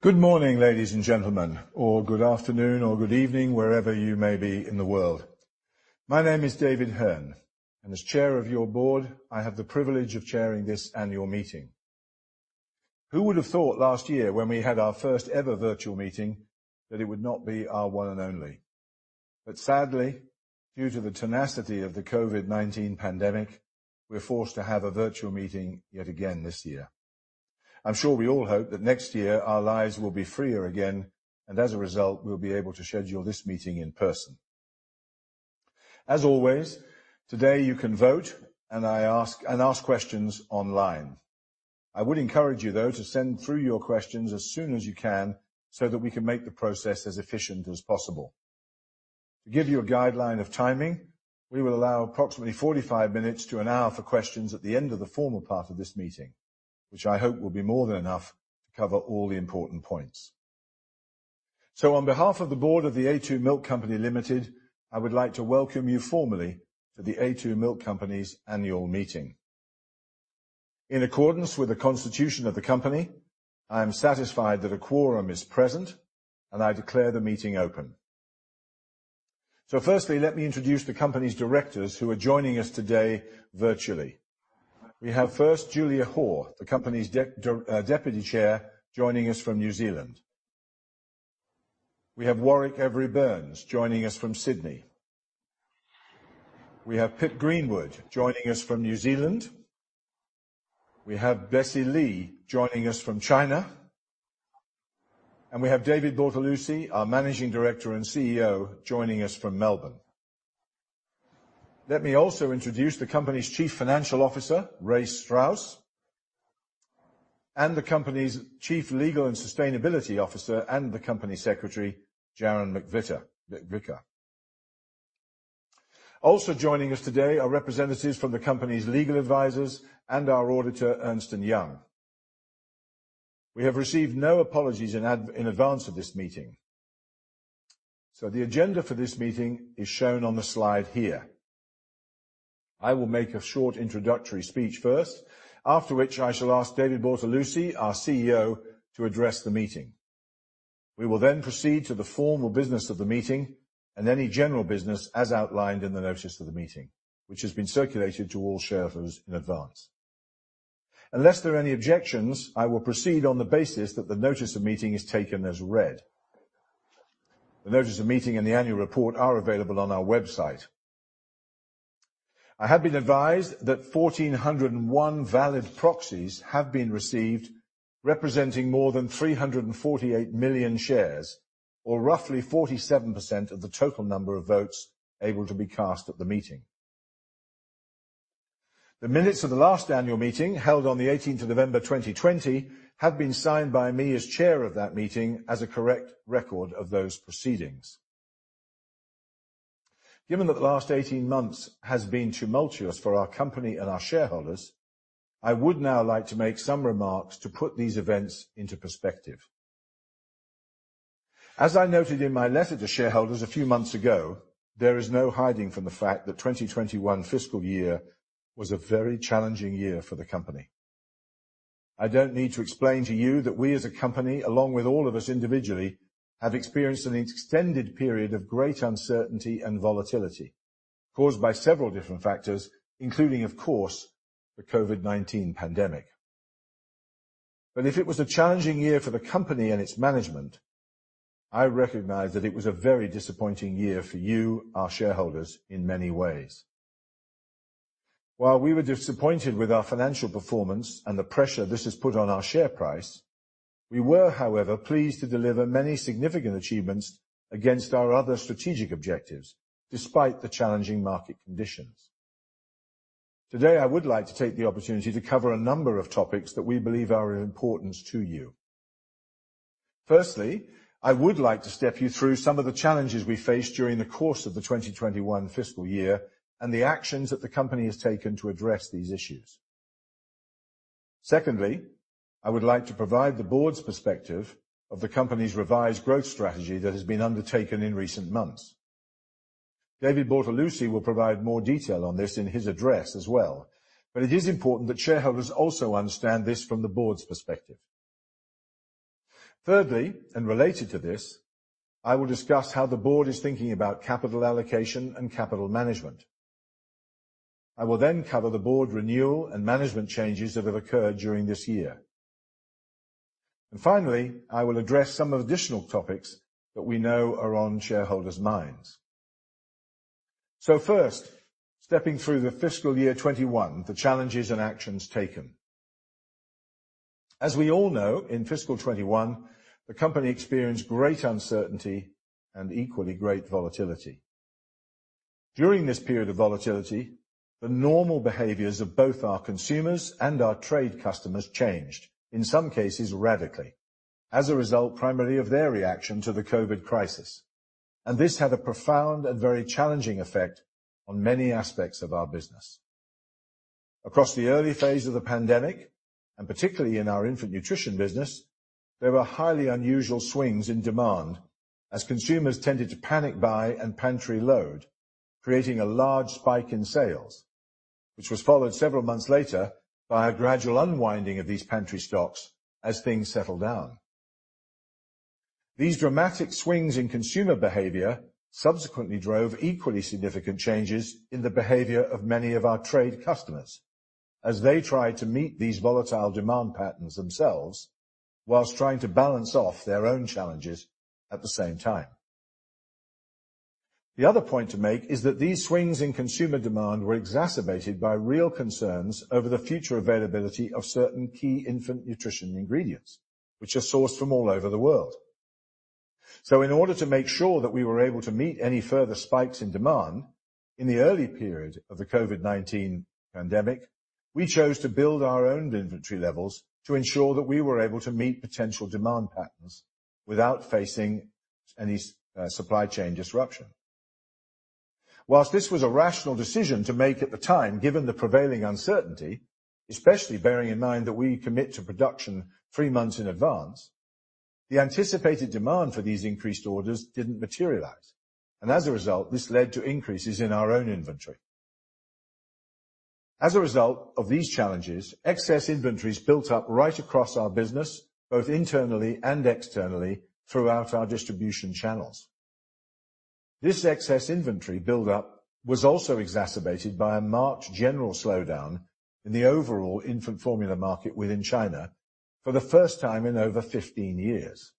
Good morning, ladies and gentlemen, or good afternoon, or good evening, wherever you may be in the world. My name is David Hearn, and as Chair of your board, I have the privilege of chairing this annual meeting. Who would have thought last year when we had our first-ever virtual meeting that it would not be our one and only? Sadly, due to the tenacity of the COVID-19 pandemic, we're forced to have a virtual meeting yet again this year. I'm sure we all hope that next year our lives will be freer again, and as a result, we'll be able to schedule this meeting in person. As always, today you can vote and I ask questions online. I would encourage you, though, to send through your questions as soon as you can, so that we can make the process as efficient as possible. To give you a guideline of timing, we will allow approximately 45 minutes to an hour for questions at the end of the formal part of this meeting, which I hope will be more than enough to cover all the important points. On behalf of the board of The a2 Milk Company Limited, I would like to welcome you formally to The a2 Milk Company's annual meeting. In accordance with the constitution of the company, I am satisfied that a quorum is present, and I declare the meeting open. Firstly, let me introduce the company's directors who are joining us today virtually. We have first Julia Hoare, the company's Deputy Chair, joining us from New Zealand. We have Warwick Every-Burns joining us from Sydney. We have Pip Greenwood joining us from New Zealand. We have Bessie Lee joining us from China. We have David Bortolussi, our Managing Director and CEO, joining us from Melbourne. Let me also introduce the company's Chief Financial Officer, Race Strauss, and the company's Chief Legal and Sustainability Officer and the company secretary, Jaron McVicar. Also joining us today are representatives from the company's legal advisors and our auditor, Ernst & Young. We have received no apologies in advance of this meeting. The agenda for this meeting is shown on the slide here. I will make a short introductory speech first, after which I shall ask David Bortolussi, our CEO, to address the meeting. We will then proceed to the formal business of the meeting and any general business as outlined in the notice of the meeting, which has been circulated to all shareholders in advance. Unless there are any objections, I will proceed on the basis that the notice of meeting is taken as read. The notice of meeting and the annual report are available on our website. I have been advised that 1,401 valid proxies have been received, representing more than 348 million shares, or roughly 47% of the total number of votes able to be cast at the meeting. The minutes of the last annual meeting, held on the eighteenth of November 2020, have been signed by me as Chair of that meeting as a correct record of those proceedings. Given that the last 18 months has been tumultuous for our company and our shareholders, I would now like to make some remarks to put these events into perspective. As I noted in my letter to shareholders a few months ago, there is no hiding from the fact that 2021 fiscal year was a very challenging year for the company. I don't need to explain to you that we as a company, along with all of us individually, have experienced an extended period of great uncertainty and volatility caused by several different factors, including, of course, the COVID-19 pandemic. If it was a challenging year for the company and its management, I recognize that it was a very disappointing year for you, our shareholders, in many ways. While we were disappointed with our financial performance and the pressure this has put on our share price, we were, however, pleased to deliver many significant achievements against our other strategic objectives, despite the challenging market conditions. Today, I would like to take the opportunity to cover a number of topics that we believe are of importance to you. Firstly, I would like to step you through some of the challenges we faced during the course of the 2021 fiscal year and the actions that the company has taken to address these issues. Secondly, I would like to provide the board's perspective of the company's revised growth strategy that has been undertaken in recent months. David Bortolussi will provide more detail on this in his address as well, but it is important that shareholders also understand this from the board's perspective. Thirdly, and related to this, I will discuss how the board is thinking about capital allocation and capital management. I will then cover the board renewal and management changes that have occurred during this year. Finally, I will address some additional topics that we know are on shareholders' minds. First, stepping through the fiscal year 2021, the challenges and actions taken. As we all know, in fiscal 2021, the company experienced great uncertainty and equally great volatility. During this period of volatility, the normal behaviors of both our consumers and our trade customers changed, in some cases radically, as a result primarily of their reaction to the COVID crisis. This had a profound and very challenging effect on many aspects of our business. Across the early phase of the pandemic, and particularly in our infant nutrition business, there were highly unusual swings in demand as consumers tended to panic buy and pantry load, creating a large spike in sales, which was followed several months later by a gradual unwinding of these pantry stocks as things settled down. These dramatic swings in consumer behavior subsequently drove equally significant changes in the behavior of many of our trade customers as they tried to meet these volatile demand patterns themselves, while trying to balance off their own challenges at the same time. The other point to make is that these swings in consumer demand were exacerbated by real concerns over the future availability of certain key infant nutrition ingredients, which are sourced from all over the world. In order to make sure that we were able to meet any further spikes in demand in the early period of the COVID-19 pandemic, we chose to build our own inventory levels to ensure that we were able to meet potential demand patterns without facing any supply chain disruption. While this was a rational decision to make at the time, given the prevailing uncertainty, especially bearing in mind that we commit to production three months in advance, the anticipated demand for these increased orders didn't materialize, and as a result, this led to increases in our own inventory. As a result of these challenges, excess inventories built up right across our business, both internally and externally, throughout our distribution channels. This excess inventory buildup was also exacerbated by a March general slowdown in the overall infant formula market within China for the first time in over 15 years.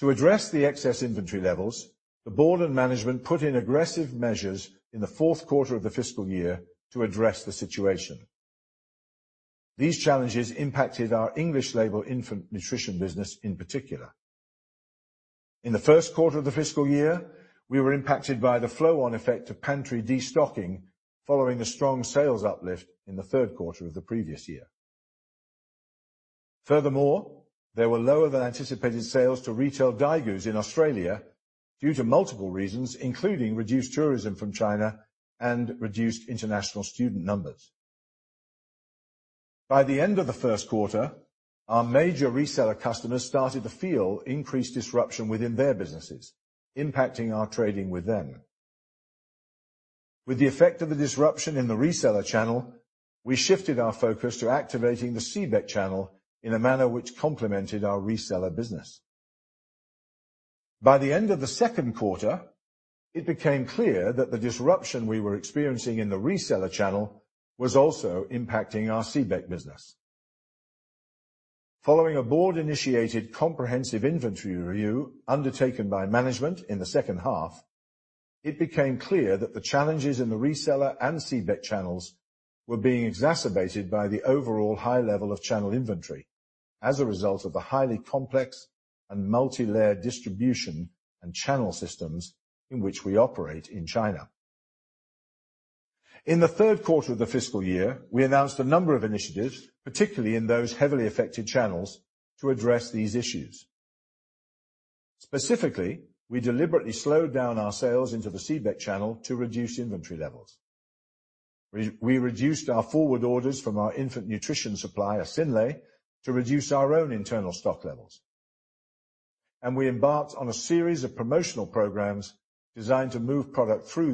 To address the excess inventory levels, the board and management put in aggressive measures in the fourth quarter of the fiscal year to address the situation. These challenges impacted our English-label infant nutrition business in particular. In the first quarter of the fiscal year, we were impacted by the flow-on effect of pantry destocking following a strong sales uplift in the third quarter of the previous year. Furthermore, there were lower than anticipated sales to retail Daigous in Australia due to multiple reasons, including reduced tourism from China and reduced international student numbers. By the end of the first quarter, our major reseller customers started to feel increased disruption within their businesses, impacting our trading with them. With the effect of the disruption in the reseller channel, we shifted our focus to activating the CBEC channel in a manner which complemented our reseller business. By the end of the second quarter, it became clear that the disruption we were experiencing in the reseller channel was also impacting our CBEC business. Following a board-initiated comprehensive inventory review undertaken by management in the second half, it became clear that the challenges in the reseller and CBEC channels were being exacerbated by the overall high level of channel inventory as a result of the highly complex and multilayered distribution and channel systems in which we operate in China. In the third quarter of the fiscal year, we announced a number of initiatives, particularly in those heavily affected channels, to address these issues. Specifically, we deliberately slowed down our sales into the CBEC channel to reduce inventory levels. We reduced our forward orders from our infant nutrition supplier, Synlait, to reduce our own internal stock levels, and we embarked on a series of promotional programs designed to move product through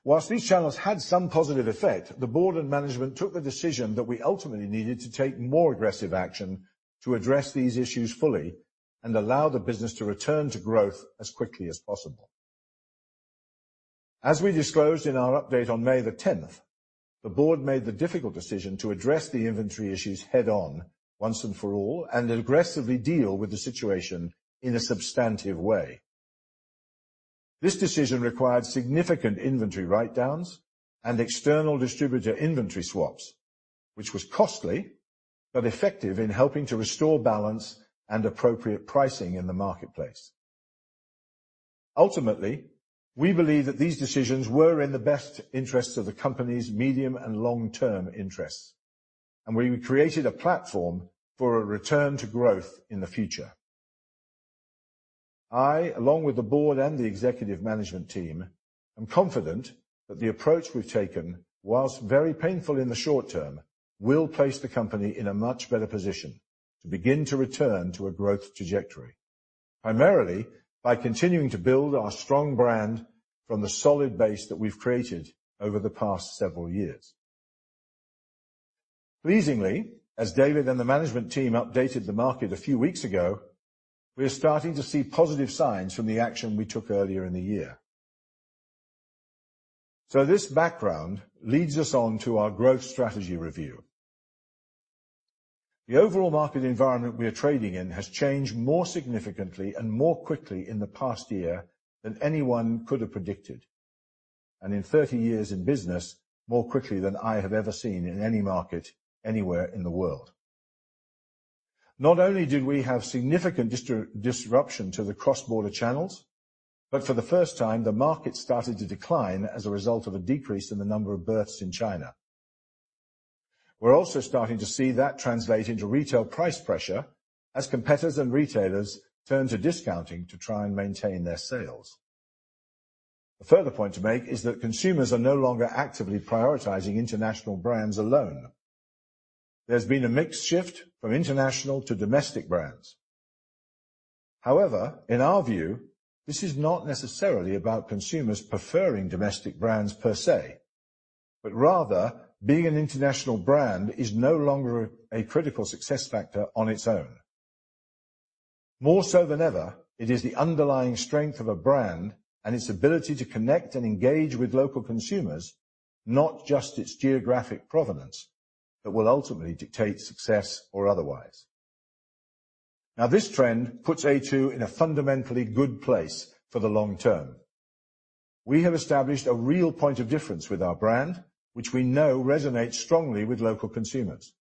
these channels more quickly. While these channels had some positive effect, the board and management took the decision that we ultimately needed to take more aggressive action to address these issues fully and allow the business to return to growth as quickly as possible. As we disclosed in our update on May 10, the board made the difficult decision to address the inventory issues head on once and for all and aggressively deal with the situation in a substantive way. This decision required significant inventory write-downs and external distributor inventory swaps, which was costly but effective in helping to restore balance and appropriate pricing in the marketplace. Ultimately, we believe that these decisions were in the best interests of the company's medium and long-term interests, and we created a platform for a return to growth in the future. I, along with the board and the executive management team, am confident that the approach we've taken, while very painful in the short term, will place the company in a much better position to begin to return to a growth trajectory, primarily by continuing to build our strong brand from the solid base that we've created over the past several years. Pleasingly, as David and the management team updated the market a few weeks ago, we are starting to see positive signs from the action we took earlier in the year. This background leads us on to our growth strategy review. The overall market environment we are trading in has changed more significantly and more quickly in the past year than anyone could have predicted, and in 30 years in business, more quickly than I have ever seen in any market anywhere in the world. Not only did we have significant disruption to the cross-border channels, but for the first time the market started to decline as a result of a decrease in the number of births in China. We're also starting to see that translate into retail price pressure as competitors and retailers turn to discounting to try and maintain their sales. A further point to make is that consumers are no longer actively prioritizing international brands alone. There's been a mixed shift from international to domestic brands. However, in our view, this is not necessarily about consumers preferring domestic brands per se, but rather, being an international brand is no longer a critical success factor on its own. More so than ever, it is the underlying strength of a brand and its ability to connect and engage with local consumers, not just its geographic provenance, that will ultimately dictate success or otherwise. Now, this trend puts a2 in a fundamentally good place for the long term. We have established a real point of difference with our brand, which we know resonates strongly with local consumers.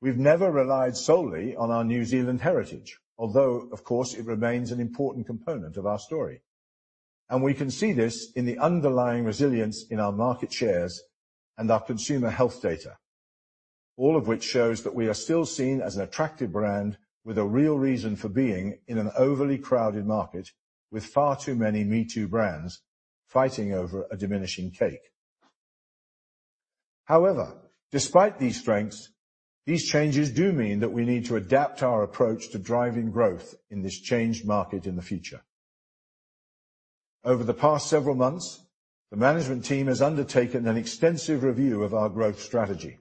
We've never relied solely on our New Zealand heritage, although, of course, it remains an important component of our story. We can see this in the underlying resilience in our market shares and our consumer health data, all of which shows that we are still seen as an attractive brand with a real reason for being in an overly crowded market with far too many me too brands fighting over a diminishing cake. However, despite these strengths, these changes do mean that we need to adapt our approach to driving growth in this changed market in the future. Over the past several months, the management team has undertaken an extensive review of our growth strategy.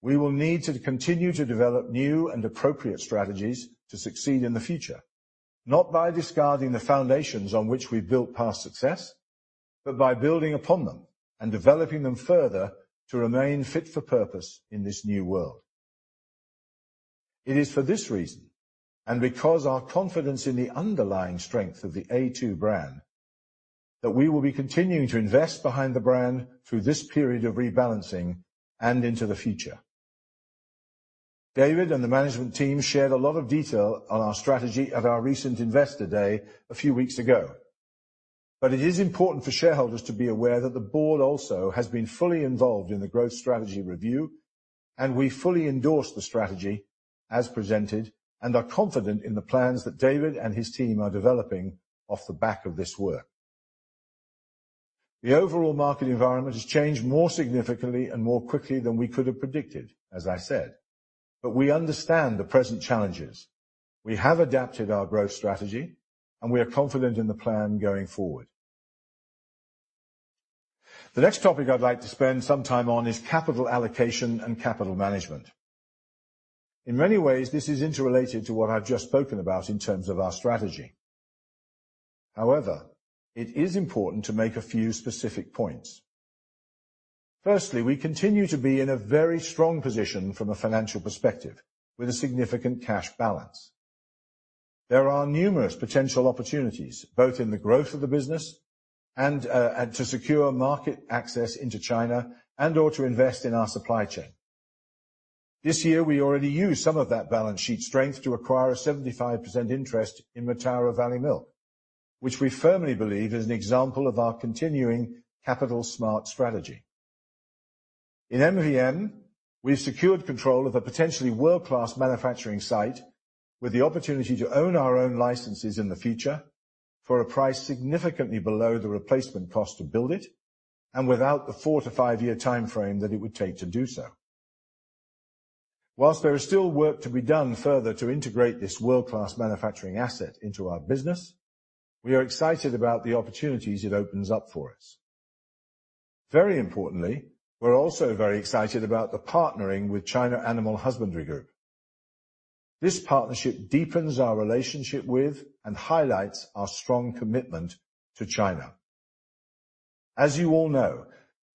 We will need to continue to develop new and appropriate strategies to succeed in the future, not by discarding the foundations on which we've built past success, but by building upon them and developing them further to remain fit for purpose in this new world. It is for this reason, and because our confidence in the underlying strength of the a2 brand, that we will be continuing to invest behind the brand through this period of rebalancing and into the future. David and the management team shared a lot of detail on our strategy at our recent Investor Day a few weeks ago. It is important for shareholders to be aware that the board also has been fully involved in the growth strategy review, and we fully endorse the strategy as presented and are confident in the plans that David and his team are developing off the back of this work. The overall market environment has changed more significantly and more quickly than we could have predicted, as I said, but we understand the present challenges. We have adapted our growth strategy, and we are confident in the plan going forward. The next topic I'd like to spend some time on is capital allocation and capital management. In many ways, this is interrelated to what I've just spoken about in terms of our strategy. However, it is important to make a few specific points. Firstly, we continue to be in a very strong position from a financial perspective with a significant cash balance. There are numerous potential opportunities, both in the growth of the business and to secure market access into China and or to invest in our supply chain. This year, we already used some of that balance sheet strength to acquire a 75% interest in Mataura Valley Milk, which we firmly believe is an example of our continuing capital smart strategy. In MVM, we've secured control of a potentially world-class manufacturing site with the opportunity to own our own licenses in the future for a price significantly below the replacement cost to build it and without the 4-5-year timeframe that it would take to do so. While there is still work to be done further to integrate this world-class manufacturing asset into our business, we are excited about the opportunities it opens up for us. Very importantly, we're also very excited about the partnering with China Animal Husbandry Group. This partnership deepens our relationship with and highlights our strong commitment to China. As you all know,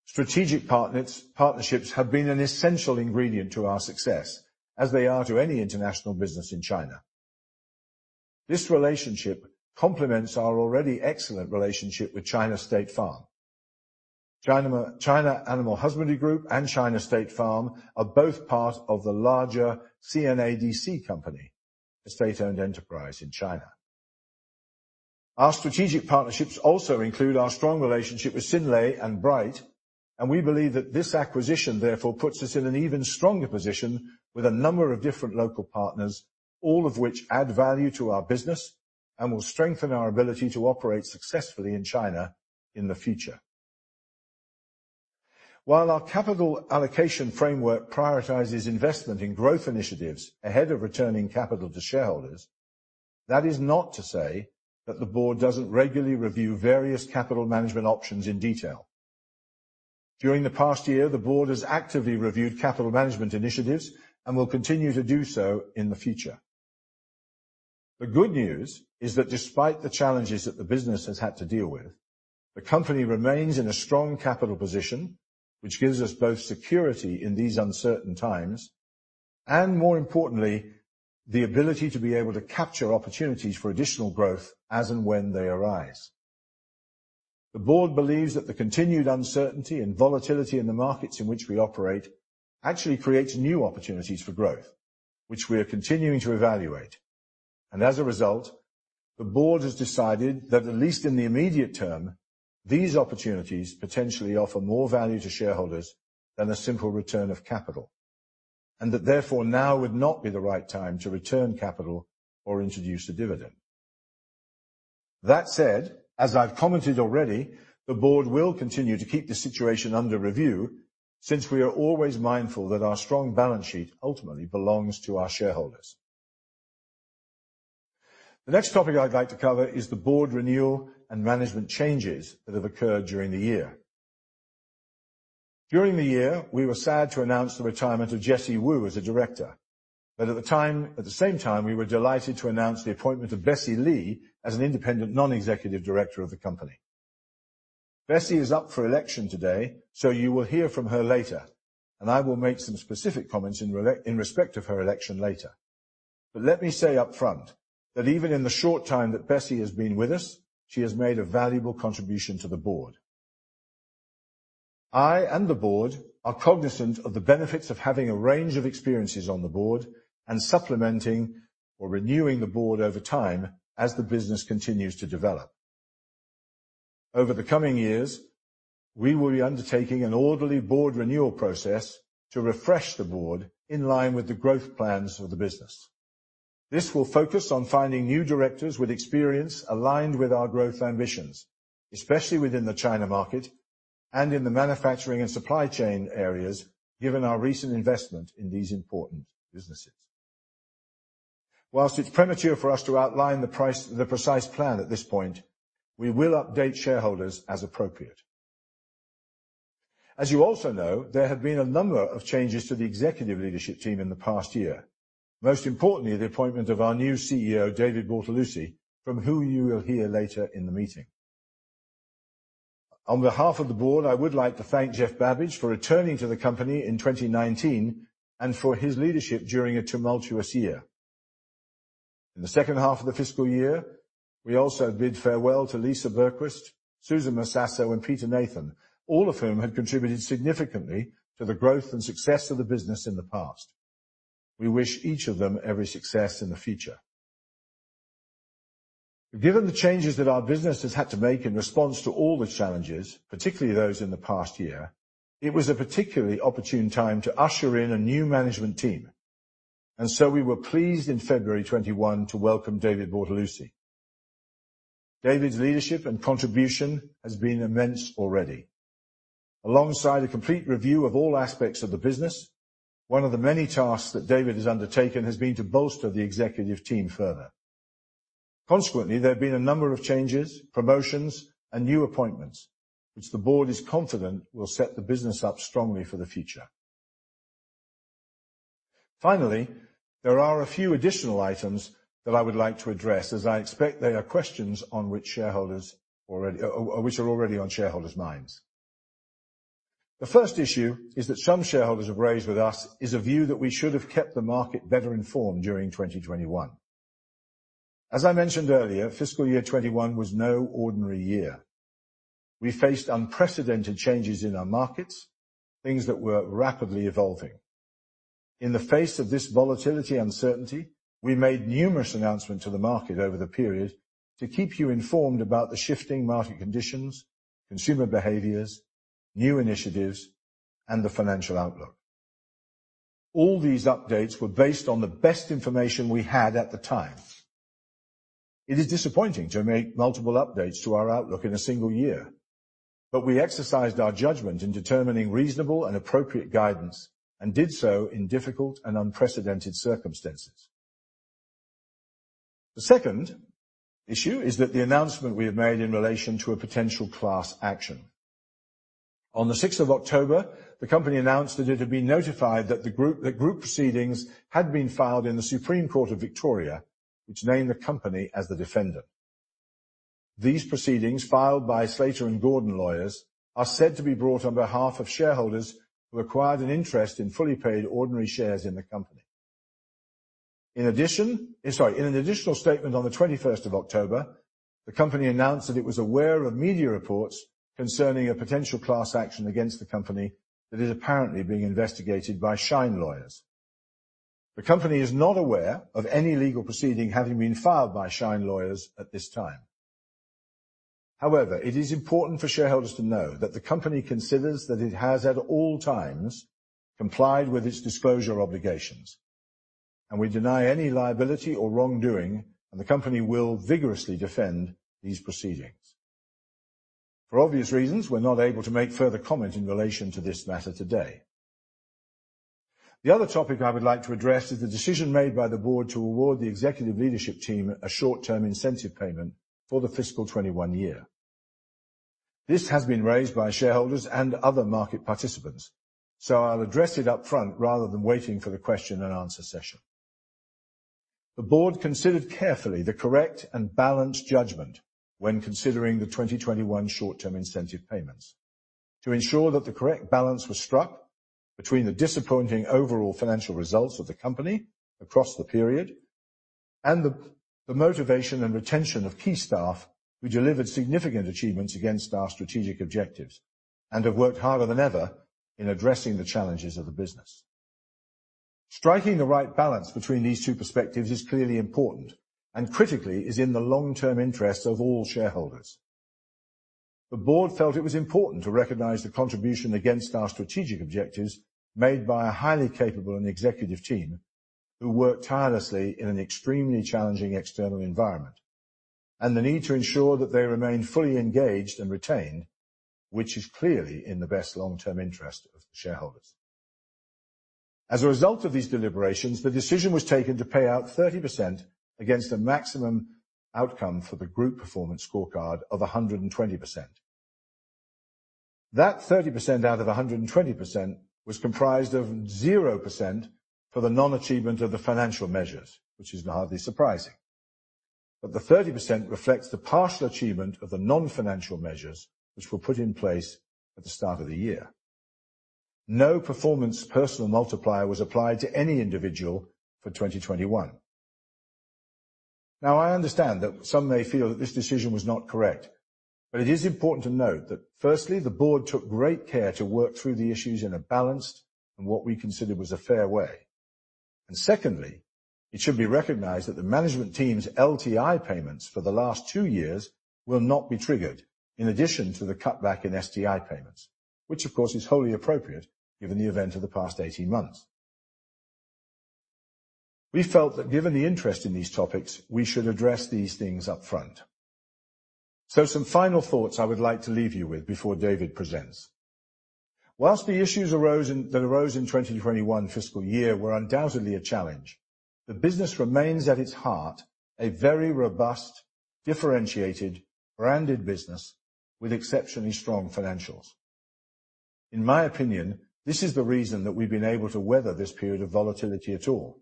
strategic partners, partnerships have been an essential ingredient to our success as they are to any international business in China. This relationship complements our already excellent relationship with China State Farm. China Animal Husbandry Group and China State Farm are both part of the larger CNADC company, a state-owned enterprise in China. Our strategic partnerships also include our strong relationship with Synlait and Bright, and we believe that this acquisition, therefore, puts us in an even stronger position with a number of different local partners, all of which add value to our business and will strengthen our ability to operate successfully in China in the future. While our capital allocation framework prioritizes investment in growth initiatives ahead of returning capital to shareholders, that is not to say that the board doesn't regularly review various capital management options in detail. During the past year, the board has actively reviewed capital management initiatives and will continue to do so in the future. The good news is that despite the challenges that the business has had to deal with, the company remains in a strong capital position, which gives us both security in these uncertain times, and more importantly, the ability to be able to capture opportunities for additional growth as and when they arise. The board believes that the continued uncertainty and volatility in the markets in which we operate actually creates new opportunities for growth, which we are continuing to evaluate. As a result, the board has decided that at least in the immediate term, these opportunities potentially offer more value to shareholders than a simple return of capital, and that therefore now would not be the right time to return capital or introduce the dividend. That said, as I've commented already, the board will continue to keep the situation under review since we are always mindful that our strong balance sheet ultimately belongs to our shareholders. The next topic I'd like to cover is the board renewal and management changes that have occurred during the year. During the year, we were sad to announce the retirement of Jesse Wu as a director. At the same time, we were delighted to announce the appointment of Bessie Lee as an independent non-executive director of the company. Bessie is up for election today, so you will hear from her later, and I will make some specific comments in respect of her election later. Let me say up front that even in the short time that Bessie has been with us, she has made a valuable contribution to the board. I and the board are cognizant of the benefits of having a range of experiences on the board and supplementing or renewing the board over time as the business continues to develop. Over the coming years, we will be undertaking an orderly board renewal process to refresh the board in line with the growth plans for the business. This will focus on finding new directors with experience aligned with our growth ambitions, especially within the China market and in the manufacturing and supply chain areas, given our recent investment in these important businesses. While it's premature for us to outline the precise plan at this point, we will update shareholders as appropriate. As you also know, there have been a number of changes to the executive leadership team in the past year. Most importantly, the appointment of our new CEO, David Bortolussi, from whom you will hear later in the meeting. On behalf of the board, I would like to thank Geoff Babbage for returning to the company in 2019 and for his leadership during a tumultuous year. In the second half of the fiscal year, we also bid farewell to Lisa Burquest, Susan Massasso, and Peter Nathan, all of whom had contributed significantly to the growth and success of the business in the past. We wish each of them every success in the future. Given the changes that our business has had to make in response to all the challenges, particularly those in the past year, it was a particularly opportune time to usher in a new management team. We were pleased in February 2021 to welcome David Bortolussi. David's leadership and contribution has been immense already. Alongside a complete review of all aspects of the business, one of the many tasks that David has undertaken has been to bolster the executive team further. Consequently, there have been a number of changes, promotions, and new appointments, which the board is confident will set the business up strongly for the future. Finally, there are a few additional items that I would like to address, as I expect there are questions which are already on shareholders' minds. The first issue is that some shareholders have raised with us a view that we should have kept the market better informed during 2021. As I mentioned earlier, fiscal year 2021 was no ordinary year. We faced unprecedented changes in our markets, things that were rapidly evolving. In the face of this volatility, uncertainty, we made numerous announcements to the market over the period to keep you informed about the shifting market conditions, consumer behaviors, new initiatives, and the financial outlook. All these updates were based on the best information we had at the time. It is disappointing to make multiple updates to our outlook in a single year, but we exercised our judgment in determining reasonable and appropriate guidance and did so in difficult and unprecedented circumstances. The second issue is that the announcement we have made in relation to a potential class action. On the sixth of October, the company announced that it had been notified that group proceedings had been filed in the Supreme Court of Victoria, which named the company as the defendant. These proceedings, filed by Slater and Gordon lawyers, are said to be brought on behalf of shareholders who acquired an interest in fully paid ordinary shares in the company. In addition. In an additional statement on the twenty-first of October, the company announced that it was aware of media reports concerning a potential class action against the company that is apparently being investigated by Shine Lawyers. The company is not aware of any legal proceeding having been filed by Shine Lawyers at this time. However, it is important for shareholders to know that the company considers that it has at all times complied with its disclosure obligations, and we deny any liability or wrongdoing, and the company will vigorously defend these proceedings. For obvious reasons, we're not able to make further comment in relation to this matter today. The other topic I would like to address is the decision made by the board to award the executive leadership team a short-term incentive payment for the fiscal 2021 year. This has been raised by shareholders and other market participants, so I'll address it up front rather than waiting for the question and answer session. The board considered carefully the correct and balanced judgment when considering the 2021 short-term incentive payments to ensure that the correct balance was struck between the disappointing overall financial results of the company across the period and the motivation and retention of key staff who delivered significant achievements against our strategic objectives and have worked harder than ever in addressing the challenges of the business. Striking the right balance between these two perspectives is clearly important and critically is in the long-term interest of all shareholders. The board felt it was important to recognize the contribution against our strategic objectives made by a highly capable and executive team who worked tirelessly in an extremely challenging external environment, and the need to ensure that they remain fully engaged and retained, which is clearly in the best long-term interest of the shareholders. As a result of these deliberations, the decision was taken to pay out 30% against a maximum outcome for the group performance scorecard of 120%. That 30% out of 120% was comprised of 0% for the non-achievement of the financial measures, which is hardly surprising. The 30% reflects the partial achievement of the non-financial measures which were put in place at the start of the year. No performance personal multiplier was applied to any individual for 2021. Now, I understand that some may feel that this decision was not correct, but it is important to note that firstly, the board took great care to work through the issues in a balanced and what we considered was a fair way. Secondly, it should be recognized that the management team's LTI payments for the last two years will not be triggered in addition to the cutback in STI payments, which of course, is wholly appropriate given the event of the past 18 months. We felt that given the interest in these topics, we should address these things up front. Some final thoughts I would like to leave you with before David presents. While the issues that arose in 2021 fiscal year were undoubtedly a challenge, the business remains at its heart, a very robust, differentiated, branded business with exceptionally strong financials. In my opinion, this is the reason that we've been able to weather this period of volatility at all.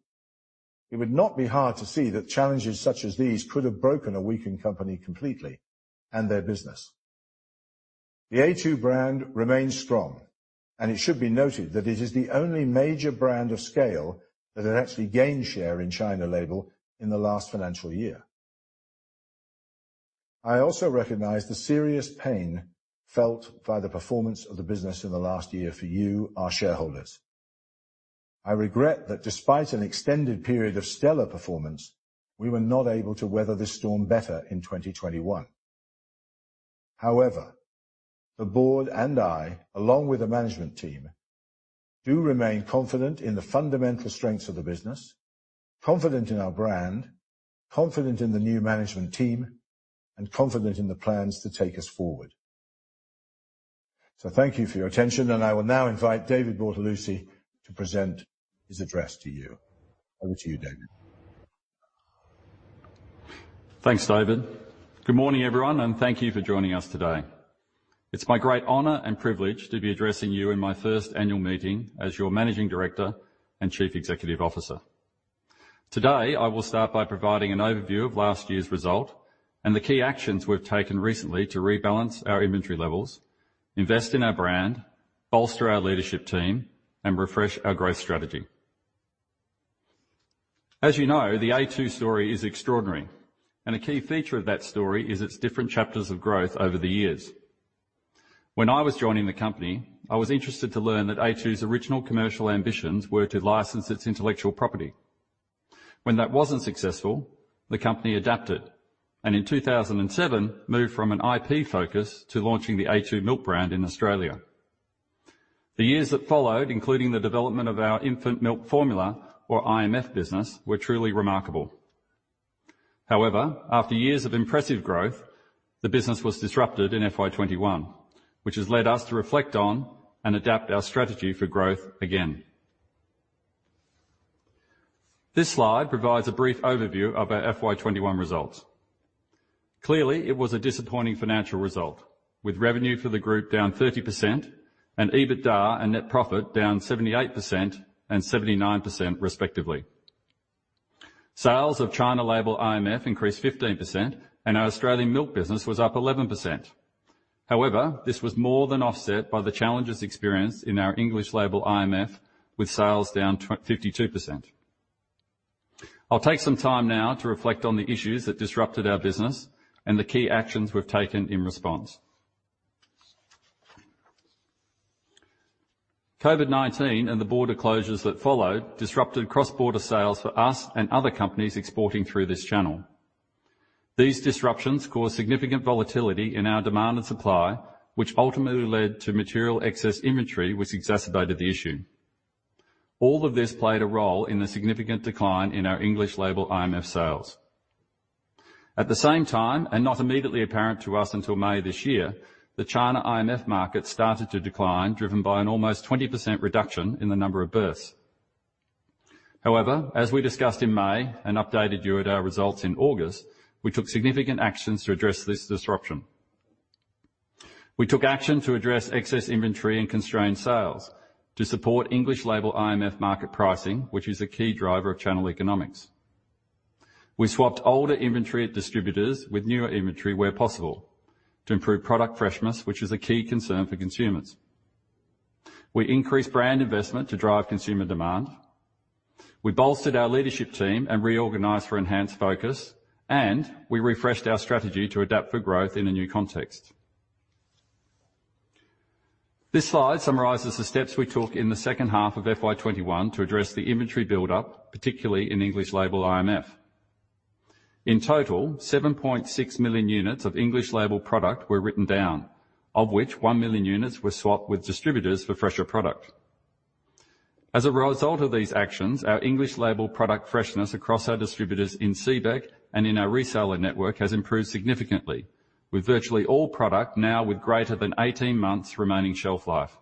It would not be hard to see that challenges such as these could have broken a weakened company completely and the business. The a2 brand remains strong, and it should be noted that it is the only major brand of scale that had actually gained share in China-label in the last financial year. I also recognize the serious pain felt by the performance of the business in the last year for you, our shareholders. I regret that despite an extended period of stellar performance, we were not able to weather this storm better in 2021. However, the board and I, along with the management team, do remain confident in the fundamental strengths of the business, confident in our brand, confident in the new management team, and confident in the plans to take us forward. Thank you for your attention, and I will now invite David Bortolussi to present his address to you. Over to you, David. Thanks, David. Good morning, everyone, and thank you for joining us today. It's my great honor and privilege to be addressing you in my first annual meeting as your Managing Director and Chief Executive Officer. Today, I will start by providing an overview of last year's result and the key actions we've taken recently to rebalance our inventory levels, invest in our brand, bolster our leadership team, and refresh our growth strategy. As you know, the a2 story is extraordinary, and a key feature of that story is its different chapters of growth over the years. When I was joining the company, I was interested to learn that a2's original commercial ambitions were to license its intellectual property. When that wasn't successful, the company adapted, and in 2007 moved from an IP focus to launching the a2 Milk brand in Australia. The years that followed, including the development of our infant milk formula or IMF business, were truly remarkable. However, after years of impressive growth, the business was disrupted in FY 2021, which has led us to reflect on and adapt our strategy for growth again. This slide provides a brief overview of our FY 2021 results. Clearly, it was a disappointing financial result, with revenue for the group down 30% and EBITDA and net profit down 78% and 79% respectively. Sales of China-label IMF increased 15% and our Australian milk business was up 11%. However, this was more than offset by the challenges experienced in our English-label IMF with sales down 52%. I'll take some time now to reflect on the issues that disrupted our business and the key actions we've taken in response. COVID-19 and the border closures that followed disrupted cross-border sales for us and other companies exporting through this channel. These disruptions caused significant volatility in our demand and supply, which ultimately led to material excess inventory which exacerbated the issue. All of this played a role in the significant decline in our English-label IMF sales. At the same time, and not immediately apparent to us until May this year, the China IMF market started to decline, driven by an almost 20% reduction in the number of births. However, as we discussed in May and updated you at our results in August, we took significant actions to address this disruption. We took action to address excess inventory and constrained sales to support English-label IMF market pricing which is a key driver of channel economics. We swapped older inventory at distributors with newer inventory where possible to improve product freshness, which is a key concern for consumers. We increased brand investment to drive consumer demand. We bolstered our leadership team and reorganized for enhanced focus, and we refreshed our strategy to adapt for growth in a new context. This slide summarizes the steps we took in the second half of FY 2021 to address the inventory buildup, particularly in English-label IMF. In total, 7.6 million units of English-label product were written down, of which 1 million units were swapped with distributors for fresher product. As a result of these actions, our English-label product freshness across our distributors in CBEC and in our reseller network has improved significantly with virtually all product now with greater than 18 months remaining shelf life.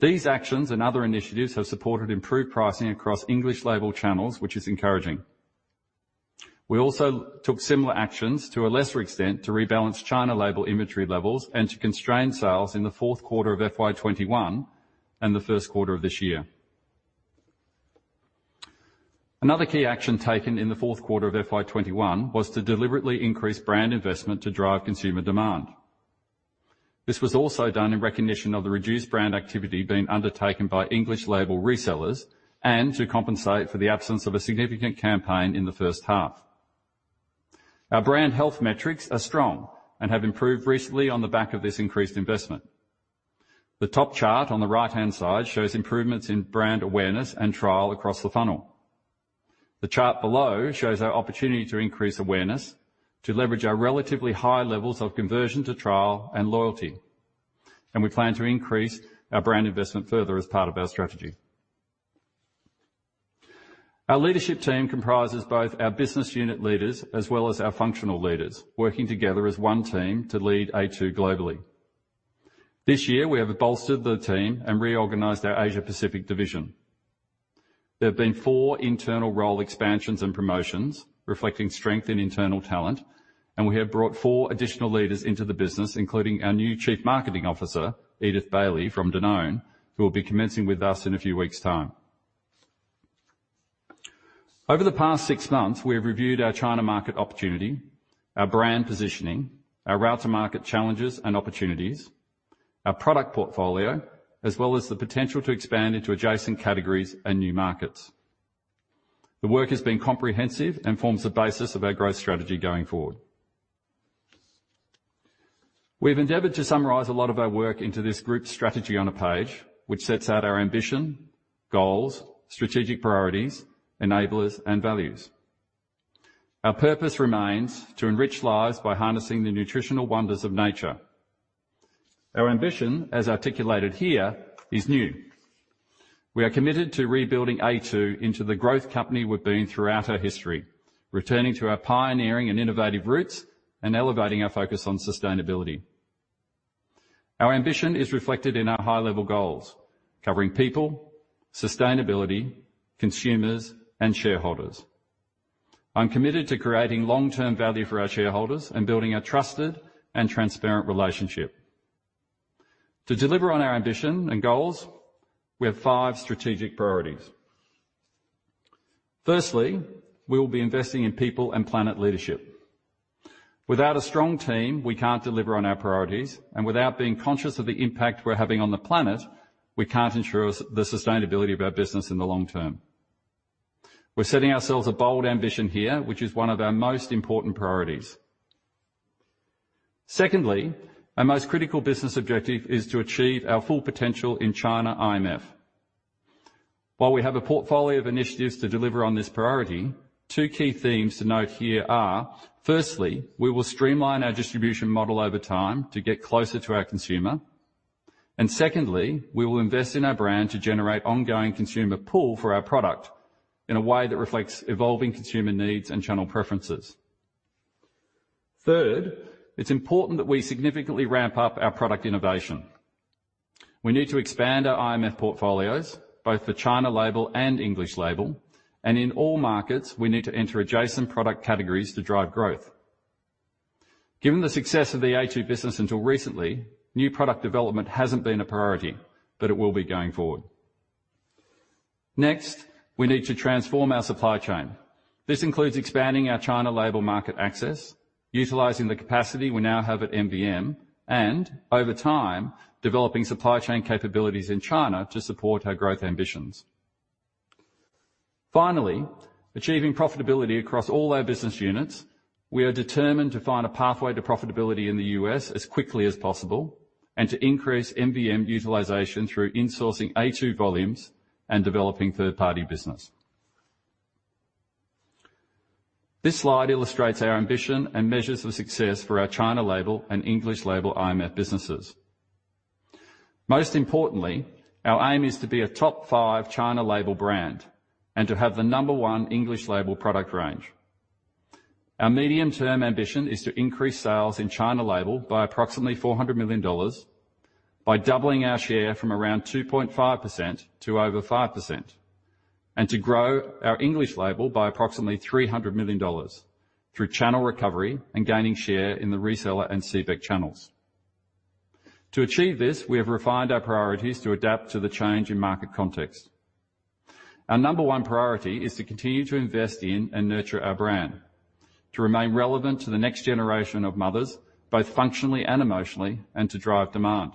These actions and other initiatives have supported improved pricing across English-label channels, which is encouraging. We also took similar actions to a lesser extent to rebalance China-label inventory levels and to constrain sales in the fourth quarter of FY 2021 and the first quarter of this year. Another key action taken in the fourth quarter of FY 2021 was to deliberately increase brand investment to drive consumer demand. This was also done in recognition of the reduced brand activity being undertaken by English-label resellers and to compensate for the absence of a significant campaign in the first half. Our brand health metrics are strong and have improved recently on the back of this increased investment. The top chart on the right-hand side shows improvements in brand awareness and trial across the funnel. The chart below shows our opportunity to increase awareness to leverage our relatively high levels of conversion to trial and loyalty, and we plan to increase our brand investment further as part of our strategy. Our leadership team comprises both our business unit leaders as well as our functional leaders working together as one team to lead A2 globally. This year, we have bolstered the team and reorganized our Asia Pacific division. There have been four internal role expansions and promotions reflecting strength in internal talent, and we have brought four additional leaders into the business, including our new Chief Marketing Officer, Edith Bailey from Danone, who will be commencing with us in a few weeks' time. Over the past six months, we have reviewed our China market opportunity, our brand positioning, our route to market challenges and opportunities, our product portfolio, as well as the potential to expand into adjacent categories and new markets. The work has been comprehensive and forms the basis of our growth strategy going forward. We've endeavored to summarize a lot of our work into this group strategy on a page which sets out our ambition, goals, strategic priorities, enablers, and values. Our purpose remains to enrich lives by harnessing the nutritional wonders of nature. Our ambition, as articulated here, is new. We are committed to rebuilding a2 into the growth company we've been throughout our history, returning to our pioneering and innovative roots and elevating our focus on sustainability. Our ambition is reflected in our high-level goals covering people, sustainability, consumers, and shareholders. I'm committed to creating long-term value for our shareholders and building a trusted and transparent relationship. To deliver on our ambition and goals, we have five strategic priorities. Firstly, we will be investing in people and planet leadership. Without a strong team, we can't deliver on our priorities, and without being conscious of the impact we're having on the planet, we can't ensure the sustainability of our business in the long term. We're setting ourselves a bold ambition here, which is one of our most important priorities. Secondly, our most critical business objective is to achieve our full potential in China IMF. While we have a portfolio of initiatives to deliver on this priority, two key themes to note here are, firstly, we will streamline our distribution model over time to get closer to our consumer. Secondly, we will invest in our brand to generate ongoing consumer pull for our product in a way that reflects evolving consumer needs and channel preferences. Third, it's important that we significantly ramp up our product innovation. We need to expand our IMF portfolios, both for China-label and English-label. In all markets, we need to enter adjacent product categories to drive growth. Given the success of the a2 business until recently, new product development hasn't been a priority, but it will be going forward. Next, we need to transform our supply chain. This includes expanding our China-label market access, utilizing the capacity we now have at MVM, and over time, developing supply chain capabilities in China to support our growth ambitions. Finally, achieving profitability across all our business units, we are determined to find a pathway to profitability in the U.S. as quickly as possible and to increase MVM utilization through insourcing a2 volumes and developing third-party business. This slide illustrates our ambition and measures of success for our China-label and English-label IMF businesses. Most importantly, our aim is to be a top five China-label brand and to have the number one English-label product range. Our medium-term ambition is to increase sales in China-label by approximately $400 million by doubling our share from around 2.5% to over 5% and to grow our English-label by approximately $300 million through channel recovery and gaining share in the reseller and CBEC channels. To achieve this, we have refined our priorities to adapt to the change in market context. Our number one priority is to continue to invest in and nurture our brand, to remain relevant to the next generation of mothers, both functionally and emotionally, and to drive demand.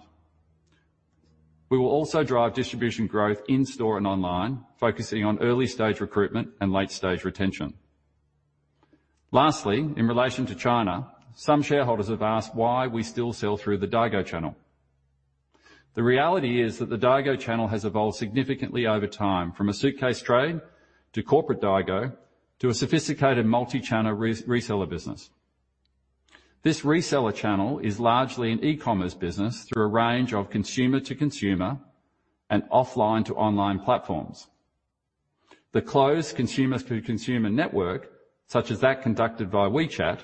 We will also drive distribution growth in-store and online, focusing on early-stage recruitment and late-stage retention. Lastly, in relation to China, some shareholders have asked why we still sell through the Daigou channel. The reality is that the Daigou channel has evolved significantly over time from a suitcase trade to corporate Daigou to a sophisticated multi-channel re-reseller business. This reseller channel is largely an e-commerce business through a range of consumer-to-consumer and offline-to-online platforms. The closed consumer to consumer network, such as that conducted via WeChat,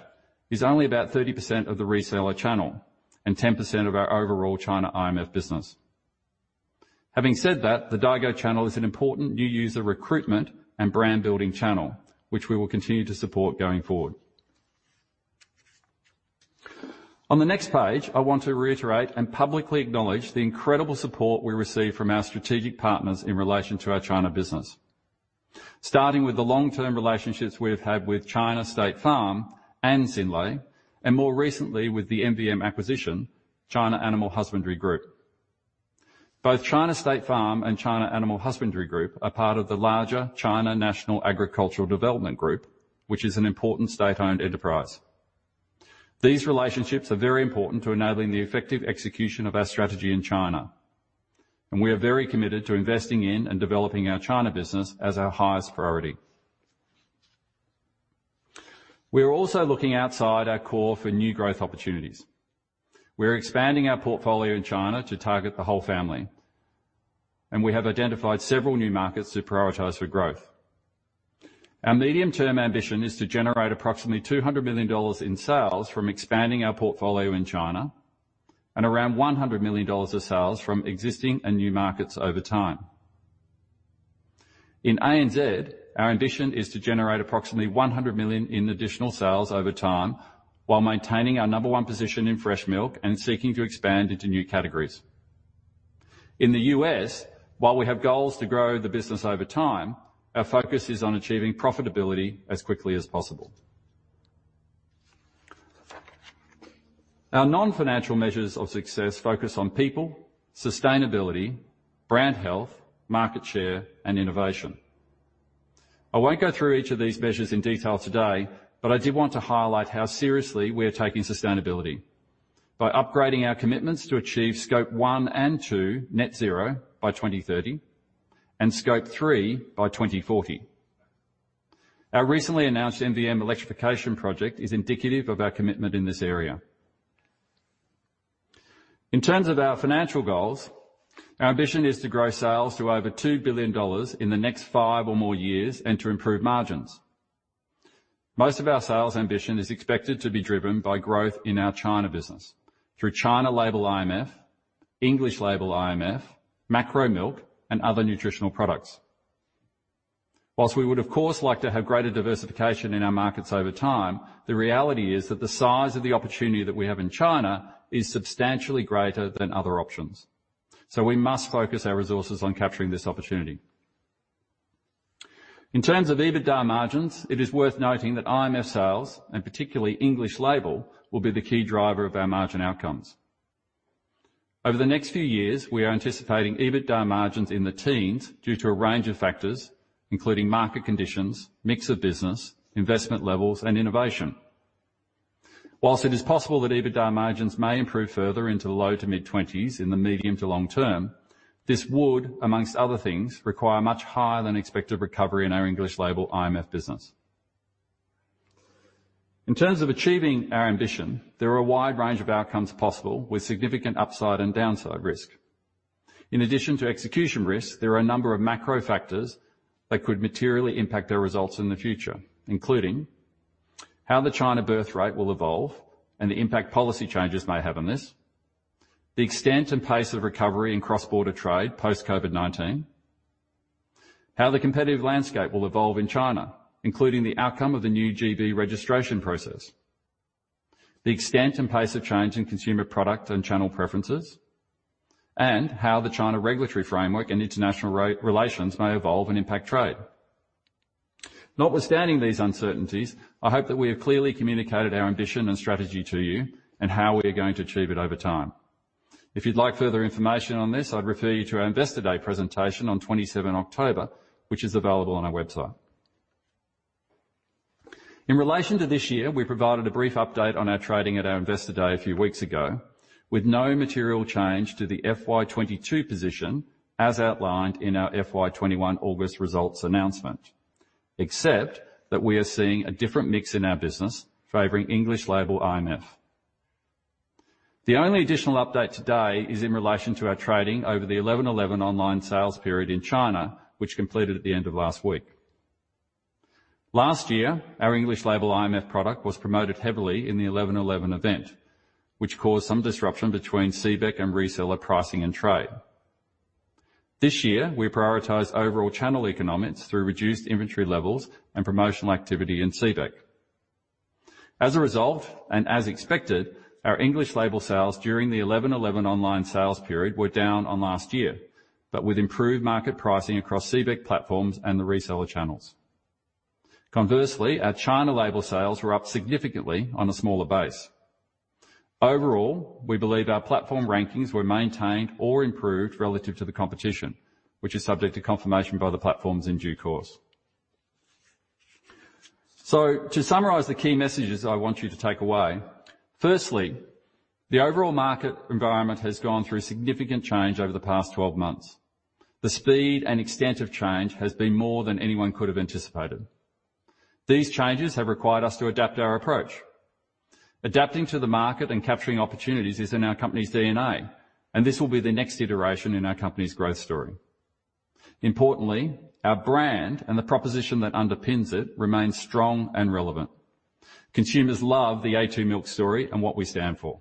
is only about 30% of the reseller channel and 10% of our overall China IMF business. Having said that, the Daigou channel is an important new user recruitment and brand-building channel, which we will continue to support going forward. On the next page, I want to reiterate and publicly acknowledge the incredible support we receive from our strategic partners in relation to our China business. Starting with the long-term relationships we've had with China State Farm and Synlait, and more recently with the MVM acquisition, China Animal Husbandry Group. Both China State Farm and China Animal Husbandry Group are part of the larger China National Agricultural Development Group, which is an important state-owned enterprise. These relationships are very important to enabling the effective execution of our strategy in China, and we are very committed to investing in and developing our China business as our highest priority. We are also looking outside our core for new growth opportunities. We are expanding our portfolio in China to target the whole family, and we have identified several new markets to prioritize for growth. Our medium-term ambition is to generate approximately 200 million dollars in sales from expanding our portfolio in China and around 100 million dollars of sales from existing and new markets over time. In ANZ, our ambition is to generate approximately 100 million in additional sales over time while maintaining our number one position in fresh milk and seeking to expand into new categories. In the U.S., while we have goals to grow the business over time, our focus is on achieving profitability as quickly as possible. Our non-financial measures of success focus on people, sustainability, brand health, market share, and innovation. I won't go through each of these measures in detail today, but I did want to highlight how seriously we are taking sustainability by upgrading our commitments to achieve Scope 1 and 2 net zero by 2030 and Scope 3 by 2040. Our recently announced MVM electrification project is indicative of our commitment in this area. In terms of our financial goals, our ambition is to grow sales to over 2 billion dollars in the next five or more years and to improve margins. Most of our sales ambition is expected to be driven by growth in our China business through China-label IMF, English-label IMF, macro milk, and other nutritional products. While we would of course like to have greater diversification in our markets over time, the reality is that the size of the opportunity that we have in China is substantially greater than other options, so we must focus our resources on capturing this opportunity. In terms of EBITDA margins, it is worth noting that IMF sales, and particularly English-label, will be the key driver of our margin outcomes. Over the next few years, we are anticipating EBITDA margins in the teens due to a range of factors, including market conditions, mix of business, investment levels, and innovation. While it is possible that EBITDA margins may improve further into the low to mid-twenties in the medium to long term, this would, among other things, require much higher than expected recovery in our English-label IMF business. In terms of achieving our ambition, there are a wide range of outcomes possible with significant upside and downside risk. In addition to execution risks, there are a number of macro factors that could materially impact our results in the future, including how the China birth rate will evolve and the impact policy changes may have on this, the extent and pace of recovery in cross-border trade post COVID-19, how the competitive landscape will evolve in China, including the outcome of the new GB registration process, the extent and pace of change in consumer product and channel preferences, and how the China regulatory framework and international re-relations may evolve and impact trade. Notwithstanding these uncertainties, I hope that we have clearly communicated our ambition and strategy to you and how we are going to achieve it over time. If you'd like further information on this, I'd refer you to our Investor Day presentation on 27 October, which is available on our website. In relation to this year, we provided a brief update on our trading at our Investor Day a few weeks ago with no material change to the FY 2022 position as outlined in our FY 2021 August results announcement, except that we are seeing a different mix in our business favoring English-label IMF. The only additional update today is in relation to our trading over the 11/11 online sales period in China, which completed at the end of last week. Last year, our English-label IMF product was promoted heavily in the 11/11 event, which caused some disruption between CBEC and reseller pricing and trade. This year, we prioritized overall channel economics through reduced inventory levels and promotional activity in CBEC. As a result, and as expected, our English-label sales during the 11/11 online sales period were down on last year, but with improved market pricing across CBEC platforms and the reseller channels. Conversely, our China-label sales were up significantly on a smaller base. Overall, we believe our platform rankings were maintained or improved relative to the competition, which is subject to confirmation by the platforms in due course. To summarize the key messages I want you to take away. Firstly, the overall market environment has gone through significant change over the past 12 months. The speed and extent of change has been more than anyone could have anticipated. These changes have required us to adapt our approach. Adapting to the market and capturing opportunities is in our company's DNA, and this will be the next iteration in our company's growth story. Importantly, our brand and the proposition that underpins it remains strong and relevant. Consumers love the a2 Milk story and what we stand for.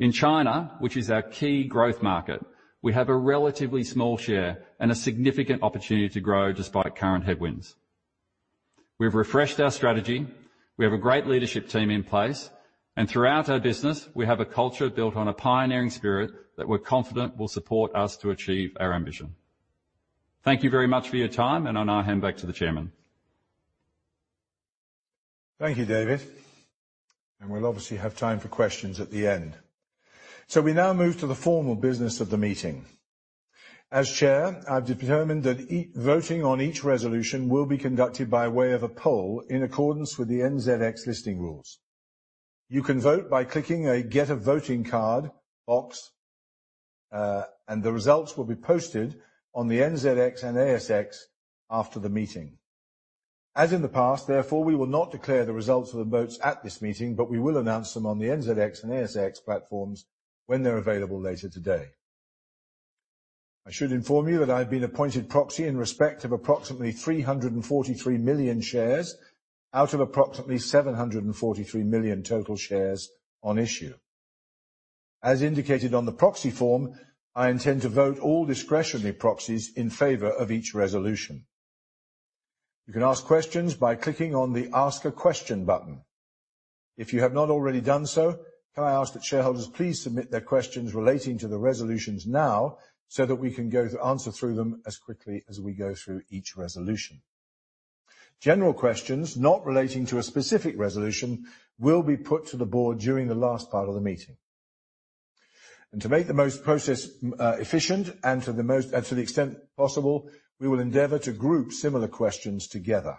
In China, which is our key growth market, we have a relatively small share and a significant opportunity to grow despite current headwinds. We've refreshed our strategy. We have a great leadership team in place, and throughout our business, we have a culture built on a pioneering spirit that we're confident will support us to achieve our ambition. Thank you very much for your time, and I now hand back to the chairman. Thank you, David. We'll obviously have time for questions at the end. We now move to the formal business of the meeting. As Chair, I've determined that e-voting on each resolution will be conducted by way of a poll in accordance with the NZX listing rules. You can vote by clicking the Get a voting card box, and the results will be posted on the NZX and ASX after the meeting. As in the past, therefore, we will not declare the results of the votes at this meeting, but we will announce them on the NZX and ASX platforms when they're available later today. I should inform you that I've been appointed proxy in respect of approximately 343 million shares out of approximately 743 million total shares on issue. As indicated on the proxy form, I intend to vote all discretionary proxies in favor of each resolution. You can ask questions by clicking on the Ask a question button. If you have not already done so, can I ask that shareholders please submit their questions relating to the resolutions now so that we can go through and answer them as quickly as we go through each resolution? General questions not relating to a specific resolution will be put to the board during the last part of the meeting. To make the process most efficient and, to the extent possible, we will endeavor to group similar questions together.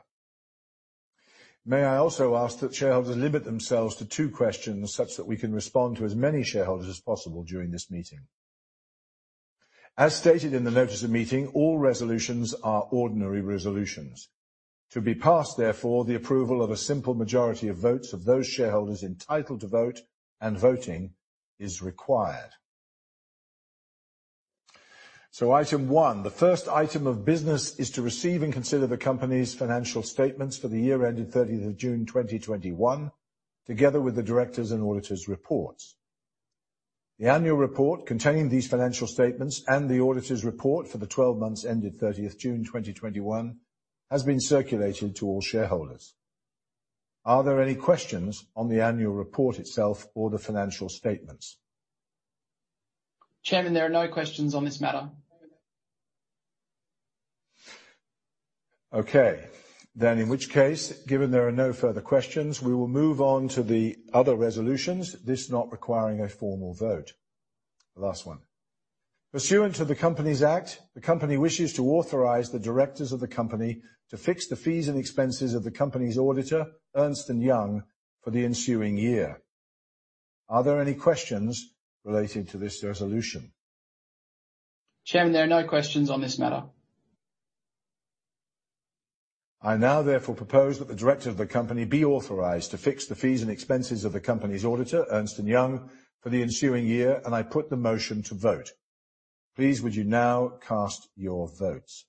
May I also ask that shareholders limit themselves to two questions such that we can respond to as many shareholders as possible during this meeting. As stated in the notice of meeting, all resolutions are ordinary resolutions. To be passed therefore, the approval of a simple majority of votes of those shareholders entitled to vote and voting is required. Item one. The first item of business is to receive and consider the company's financial statements for the year ended thirtieth June 2021, together with the directors' and auditors' reports. The annual report containing these financial statements and the auditor's report for the twelve months ended 30th June 2021 has been circulated to all shareholders. Are there any questions on the annual report itself or the financial statements? Chairman, there are no questions on this matter. Okay. In which case, given there are no further questions, we will move on to the other resolutions, this not requiring a formal vote. Last one. Pursuant to the Companies Act, the company wishes to authorize the directors of the company to fix the fees and expenses of the company's auditor, Ernst & Young, for the ensuing year. Are there any questions relating to this resolution? Chairman, there are no questions on this matter. I now therefore propose that the director of the company be authorized to fix the fees and expenses of the company's auditor, Ernst & Young, for the ensuing year, and I put the motion to vote. Please, would you now cast your votes?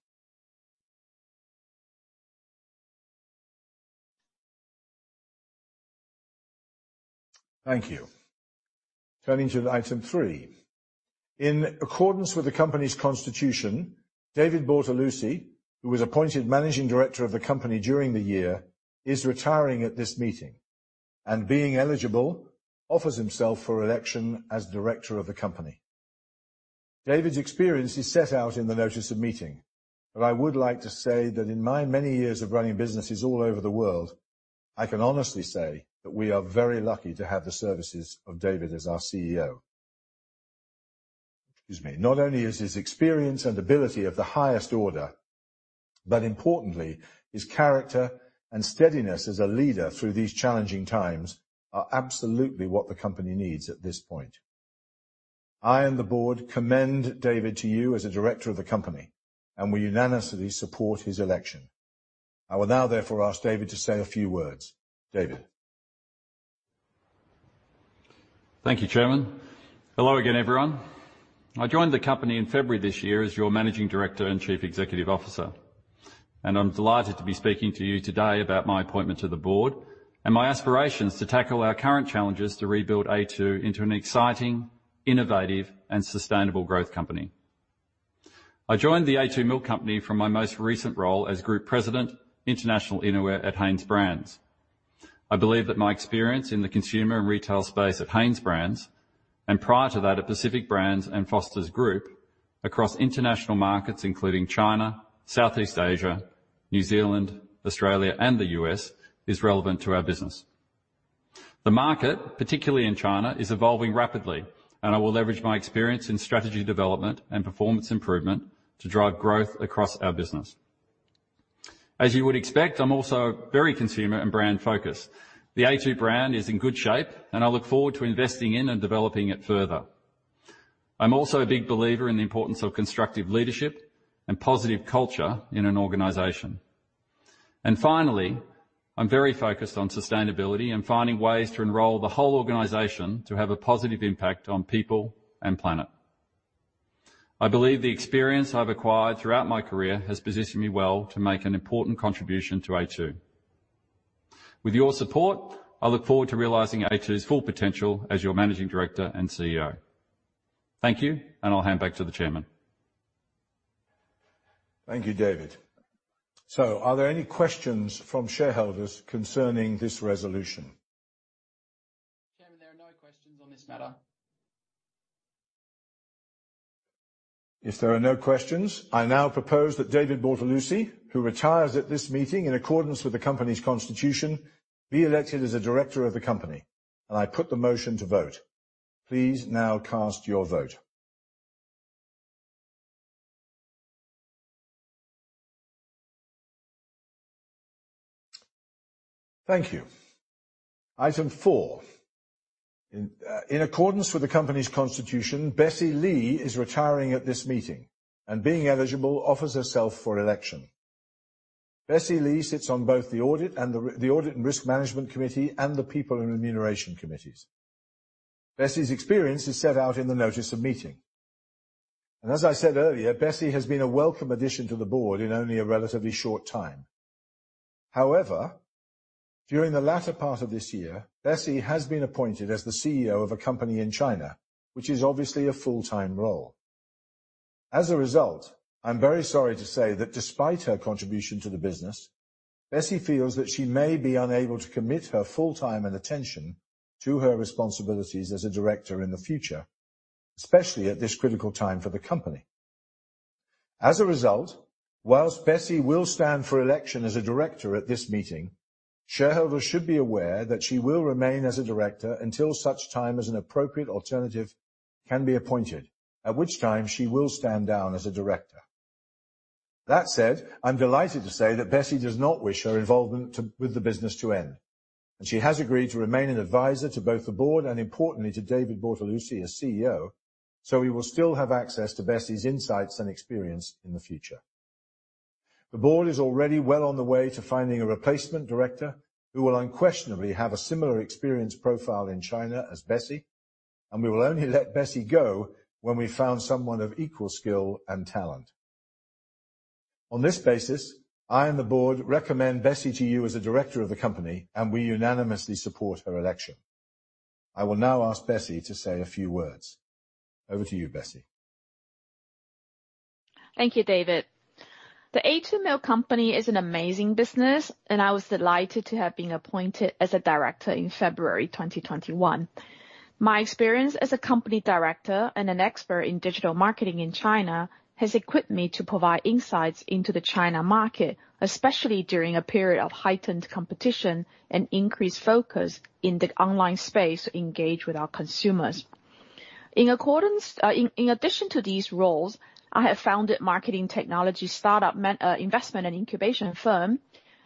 Thank you. Turning to item three. In accordance with the company's constitution, David Bortolussi, who was appointed Managing Director of the company during the year, is retiring at this meeting. Being eligible, offers himself for election as director of the company. David's experience is set out in the notice of meeting. I would like to say that in my many years of running businesses all over the world, I can honestly say that we are very lucky to have the services of David as our CEO. Excuse me. Not only is his experience and ability of the highest order, but importantly, his character and steadiness as a leader through these challenging times are absolutely what the company needs at this point. I and the board commend David to you as a director of the company, and we unanimously support his election. I will now therefore ask David to say a few words. David. Thank you, Chairman. Hello again, everyone. I joined the company in February this year as your Managing Director and Chief Executive Officer, and I'm delighted to be speaking to you today about my appointment to the board and my aspirations to tackle our current challenges to rebuild a2 into an exciting, innovative and sustainable growth company. I joined The a2 Milk Company from my most recent role as Group President, International Innerwear at HanesBrands. I believe that my experience in the consumer and retail space at HanesBrands prior to that, at Pacific Brands and Foster's Group across international markets, including China, Southeast Asia, New Zealand, Australia, and the U.S., is relevant to our business. The market, particularly in China, is evolving rapidly, and I will leverage my experience in strategy development and performance improvement to drive growth across our business. As you would expect, I'm also very consumer and brand-focused. The a2 brand is in good shape and I look forward to investing in and developing it further. I'm also a big believer in the importance of constructive leadership and positive culture in an organization. Finally, I'm very focused on sustainability and finding ways to enroll the whole organization to have a positive impact on people and planet. I believe the experience I've acquired throughout my career has positioned me well to make an important contribution to a2. With your support, I look forward to realizing a2's full potential as your Managing Director and CEO. Thank you, and I'll hand back to the chairman. Thank you, David. Are there any questions from shareholders concerning this resolution? Chairman, there are no questions on this matter. If there are no questions, I now propose that David Bortolussi, who retires at this meeting in accordance with the company's constitution, be elected as a director of the company. I put the motion to vote. Please now cast your vote. Thank you. Item four. In accordance with the company's constitution, Bessie Lee is retiring at this meeting, and being eligible offers herself for election. Bessie Lee sits on both the audit and risk management committee and the people and remuneration committees. Bessie's experience is set out in the notice of meeting. As I said earlier, Bessie has been a welcome addition to the board in only a relatively short time. However, during the latter part of this year, Bessie has been appointed as the CEO of a company in China, which is obviously a full-time role. As a result, I'm very sorry to say that despite her contribution to the business, Bessie feels that she may be unable to commit her full-time and attention to her responsibilities as a director in the future, especially at this critical time for the company. As a result, while Bessie will stand for election as a director at this meeting, shareholders should be aware that she will remain as a director until such time as an appropriate alternative can be appointed, at which time she will stand down as a director. That said, I'm delighted to say that Bessie does not wish her involvement with the business to end, and she has agreed to remain an advisor to both the board and importantly to David Bortolussi as CEO, so he will still have access to Bessie's insights and experience in the future. The board is already well on the way to finding a replacement director who will unquestionably have a similar experience profile in China as Bessie, and we will only let Bessie go when we've found someone of equal skill and talent. On this basis, I and the board recommend Bessie to you as a director of the company, and we unanimously support her election. I will now ask Bessie to say a few words. Over to you, Bessie. Thank you, David. The a2 Milk Company is an amazing business, and I was delighted to have been appointed as a director in February 2021. My experience as a company director and an expert in digital marketing in China has equipped me to provide insights into the China market, especially during a period of heightened competition and increased focus in the online space to engage with our consumers. In accordance, in addition to these roles, I have founded marketing technology startup investment and incubation firm,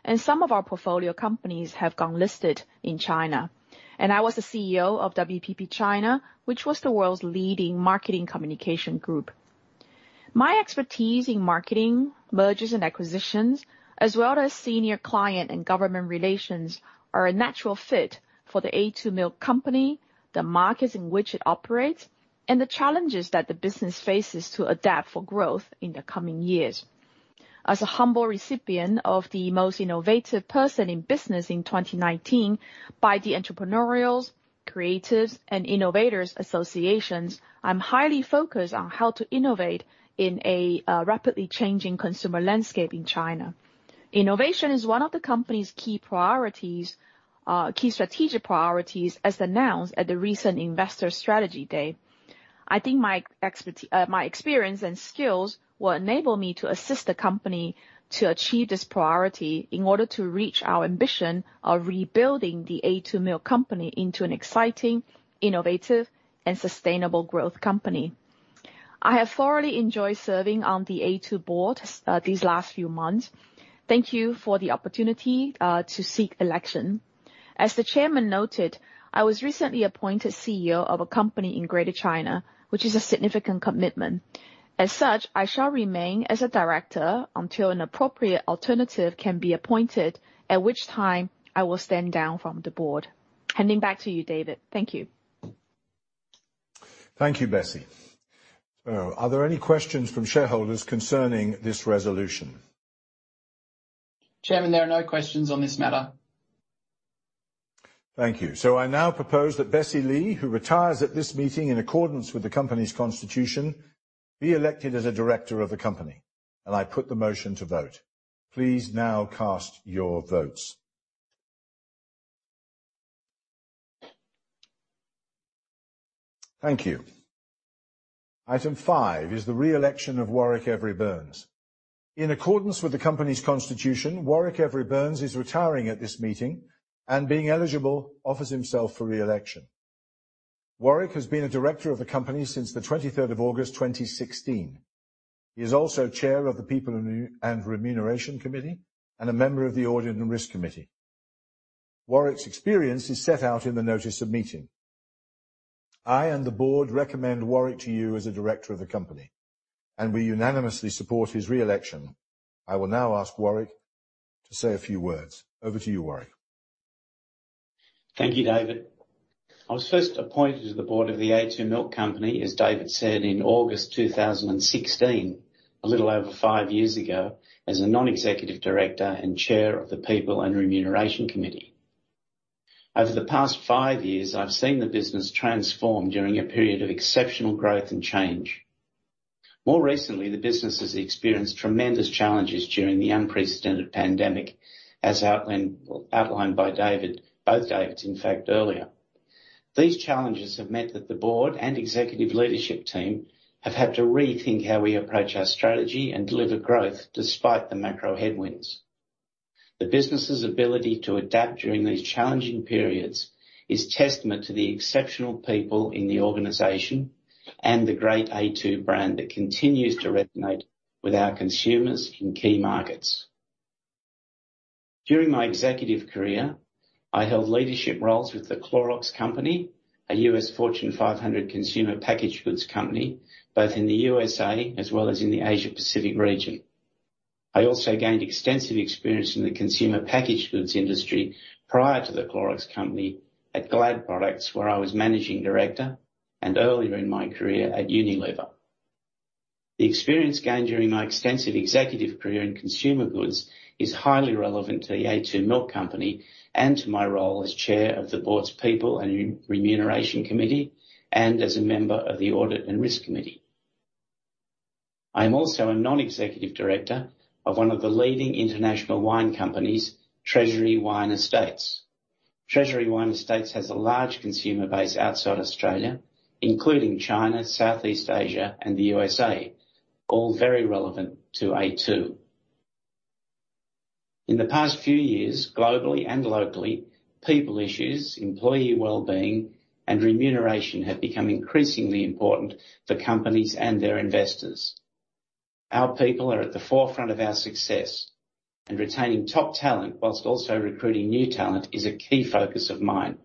and some of our portfolio companies have gone listed in China. I was the CEO of WPP China, which was the world's leading marketing communication group. My expertise in marketing, mergers and acquisitions, as well as senior client and government relations, are a natural fit for the a2 Milk Company, the markets in which it operates, and the challenges that the business faces to adapt for growth in the coming years. As a humble recipient of the most innovative person in business in 2019 by the Entrepreneurs, Creatives, and Innovators associations, I'm highly focused on how to innovate in a rapidly changing consumer landscape in China. Innovation is one of the company's key priorities, key strategic priorities as announced at the recent Investor Strategy Day. I think my experience and skills will enable me to assist the company to achieve this priority in order to reach our ambition of rebuilding the a2 Milk Company into an exciting, innovative, and sustainable growth company. I have thoroughly enjoyed serving on the a2 board these last few months. Thank you for the opportunity to seek election. As the chairman noted, I was recently appointed CEO of a company in Greater China, which is a significant commitment. As such, I shall remain as a director until an appropriate alternative can be appointed, at which time I will stand down from the board. Handing back to you, David. Thank you. Thank you, Bessie. Are there any questions from shareholders concerning this resolution? Chairman, there are no questions on this matter. Thank you. I now propose that Bessie Lee, who retires at this meeting in accordance with the company's constitution, be elected as a director of the company. I put the motion to vote. Please now cast your votes. Thank you. Item 5 is the reelection of Warwick Every-Burns. In accordance with the company's constitution, Warwick Every-Burns is retiring at this meeting, and being eligible, offers himself for reelection. Warwick has been a director of the company since the 23rd of August, 2016. He is also Chair of the People and Remuneration Committee and a member of the Audit and Risk Committee. Warwick's experience is set out in the notice of meeting. I and the board recommend Warwick to you as a director of the company, and we unanimously support his reelection. I will now ask Warwick to say a few words. Over to you, Warwick. Thank you, David. I was first appointed to the board of The a2 Milk Company, as David said, in August 2016, a little over five years ago, as a non-executive director and Chair of the People and Remuneration Committee. Over the past five years, I've seen the business transform during a period of exceptional growth and change. More recently, the business has experienced tremendous challenges during the unprecedented pandemic, as outlined by David, both Davids, in fact, earlier. These challenges have meant that the board and executive leadership team have had to rethink how we approach our strategy and deliver growth despite the macro headwinds. The business's ability to adapt during these challenging periods is testament to the exceptional people in the organization and the great a2 brand that continues to resonate with our consumers in key markets. During my executive career, I held leadership roles with The Clorox Company, a U.S. Fortune 500 consumer packaged goods company, both in the USA as well as in the Asia Pacific region. I also gained extensive experience in the consumer packaged goods industry prior to The Clorox Company at Glad Products, where I was Managing Director, and earlier in my career at Unilever. The experience gained during my extensive executive career in consumer goods is highly relevant to The a2 Milk Company and to my role as Chair of the Board's People and Remuneration Committee, and as a member of the Audit and Risk Committee. I am also a non-executive director of one of the leading international wine companies, Treasury Wine Estates. Treasury Wine Estates has a large consumer base outside Australia, including China, Southeast Asia, and the USA, all very relevant to a2. In the past few years, globally and locally, people issues, employee well-being, and remuneration have become increasingly important for companies and their investors. Our people are at the forefront of our success, and retaining top talent while also recruiting new talent is a key focus of mine.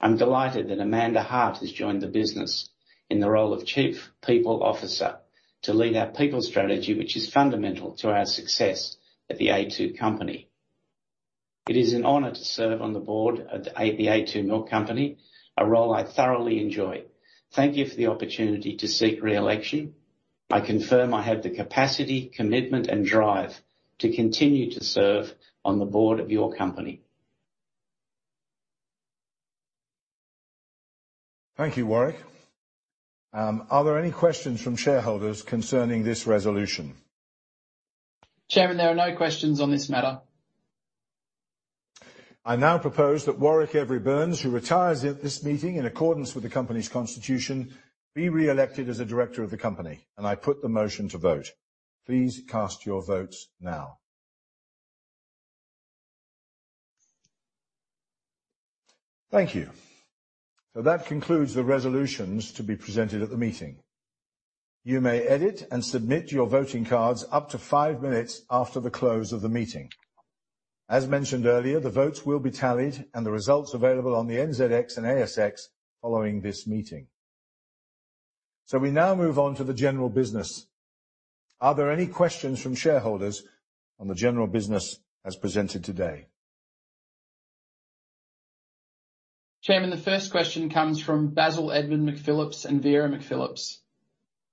I'm delighted that Amanda Hart has joined the business in the role of Chief People Officer to lead our people strategy, which is fundamental to our success at The a2 Company. It is an honor to serve on the board of The a2 Milk Company, a role I thoroughly enjoy. Thank you for the opportunity to seek reelection. I confirm I have the capacity, commitment, and drive to continue to serve on the board of your company. Thank you, Warwick. Are there any questions from shareholders concerning this resolution? Chairman, there are no questions on this matter. I now propose that Warwick Every-Burns, who retires at this meeting in accordance with the company's constitution, be reelected as a director of the company, and I put the motion to vote. Please cast your votes now. Thank you. That concludes the resolutions to be presented at the meeting. You may edit and submit your voting cards up to five minutes after the close of the meeting. As mentioned earlier, the votes will be tallied and the results available on the NZX and ASX following this meeting. We now move on to the general business. Are there any questions from shareholders on the general business as presented today? Chairman, the first question comes from Basil Edmund McPhillips and Vera McPhillips.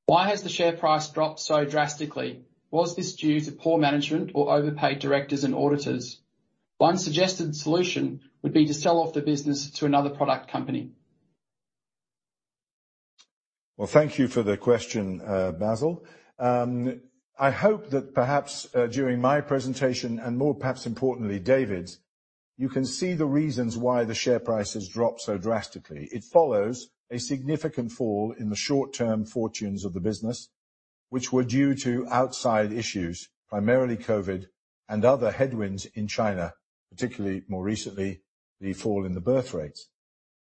Why has the share price dropped so drastically? Was this due to poor management or overpaid directors and auditors? One suggested solution would be to sell off the business to another product company. Well, thank you for the question, Basil. I hope that perhaps during my presentation and more, perhaps importantly, David's, you can see the reasons why the share price has dropped so drastically. It follows a significant fall in the short-term fortunes of the business, which were due to outside issues, primarily COVID and other headwinds in China, particularly more recently, the fall in the birth rates.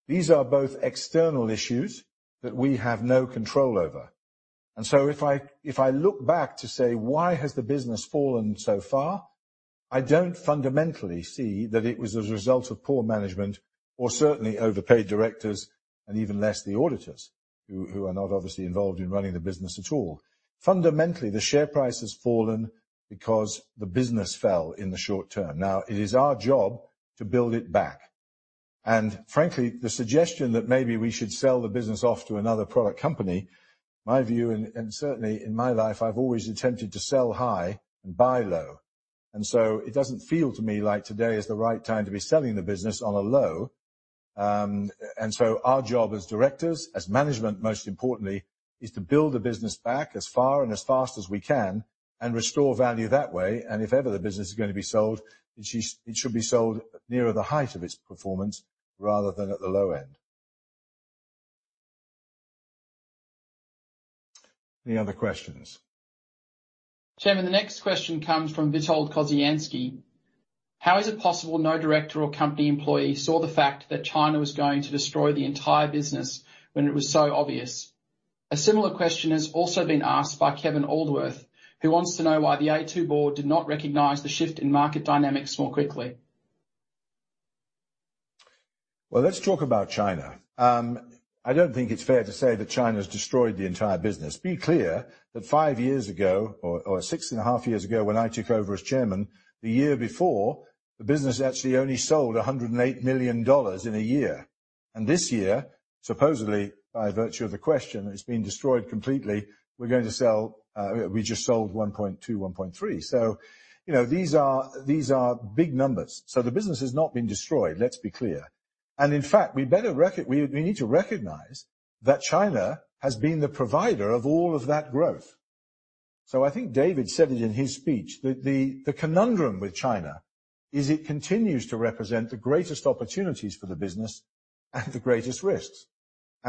These are both external issues that we have no control over. If I look back to say, "Why has the business fallen so far?" I don't fundamentally see that it was as a result of poor management or certainly overpaid directors and even less the auditors, who are not obviously involved in running the business at all. Fundamentally, the share price has fallen because the business fell in the short-term. Now, it is our job to build it back. Frankly, the suggestion that maybe we should sell the business off to another product company, my view and certainly in my life, I've always attempted to sell high and buy low. So it doesn't feel to me like today is the right time to be selling the business on a low. So our job as directors, as management, most importantly, is to build the business back as far and as fast as we can and restore value that way. If ever the business is gonna be sold, it should be sold nearer the height of its performance rather than at the low end. Any other questions? Chairman, the next question comes from Vitold Kozienski. How is it possible no director or company employee saw the fact that China was going to destroy the entire business when it was so obvious? A similar question has also been asked by Kevin Aldworth, who wants to know why the a2 board did not recognize the shift in market dynamics more quickly. Well, let's talk about China. I don't think it's fair to say that China's destroyed the entire business. Be clear that five years ago, or 6.5 years ago, when I took over as chairman, the year before, the business actually only sold $108 million in a year. This year, supposedly, by virtue of the question, it's been destroyed completely, we're going to sell, we just sold $1.2 billion-$1.3 billion. You know, these are big numbers. The business has not been destroyed, let's be clear. In fact, we better, we need to recognize that China has been the provider of all of that growth. I think David said it in his speech that the conundrum with China is it continues to represent the greatest opportunities for the business and the greatest risks.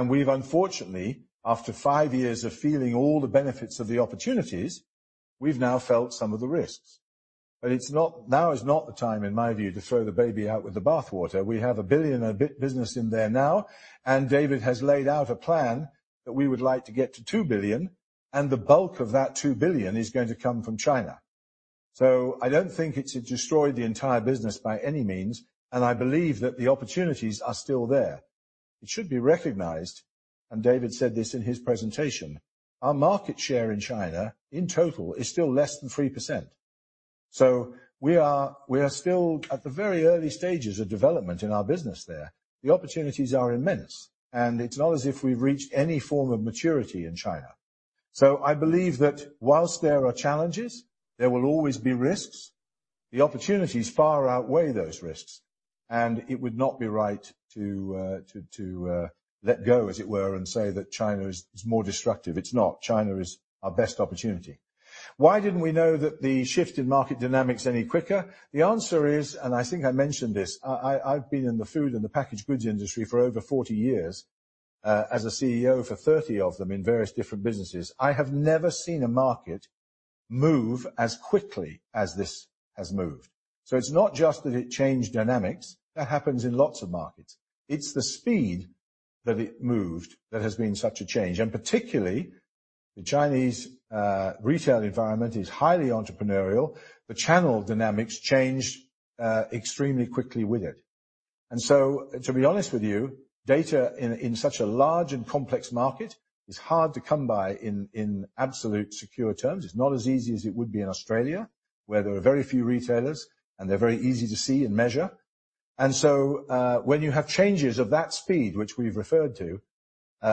We've unfortunately, after five years of feeling all the benefits of the opportunities, we've now felt some of the risks. Now is not the time, in my view, to throw the baby out with the bath water. We have a 1 billion a2 business in there now, and David has laid out a plan that we would like to get to 2 billion, and the bulk of that 2 billion is going to come from China. I don't think it's destroyed the entire business by any means, and I believe that the opportunities are still there. It should be recognized, and David said this in his presentation, our market share in China, in total, is still less than 3%. We are still at the very early stages of development in our business there. The opportunities are immense, and it's not as if we've reached any form of maturity in China. I believe that while there are challenges, there will always be risks. The opportunities far outweigh those risks, and it would not be right to let go, as it were, and say that China is more destructive. It's not. China is our best opportunity. Why didn't we know that the shift in market dynamics any quicker? The answer is, and I think I mentioned this, I've been in the food and the packaged goods industry for over 40 years as a CEO for 30 of them in various different businesses. I have never seen a market move as quickly as this has moved. It's not just that it changed dynamics. That happens in lots of markets. It's the speed that it moved that has been such a change. Particularly, the Chinese retail environment is highly entrepreneurial. The channel dynamics changed extremely quickly with it. To be honest with you, data in such a large and complex market is hard to come by in absolute secure terms. It's not as easy as it would be in Australia, where there are very few retailers, and they're very easy to see and measure. When you have changes of that speed, which we've referred to,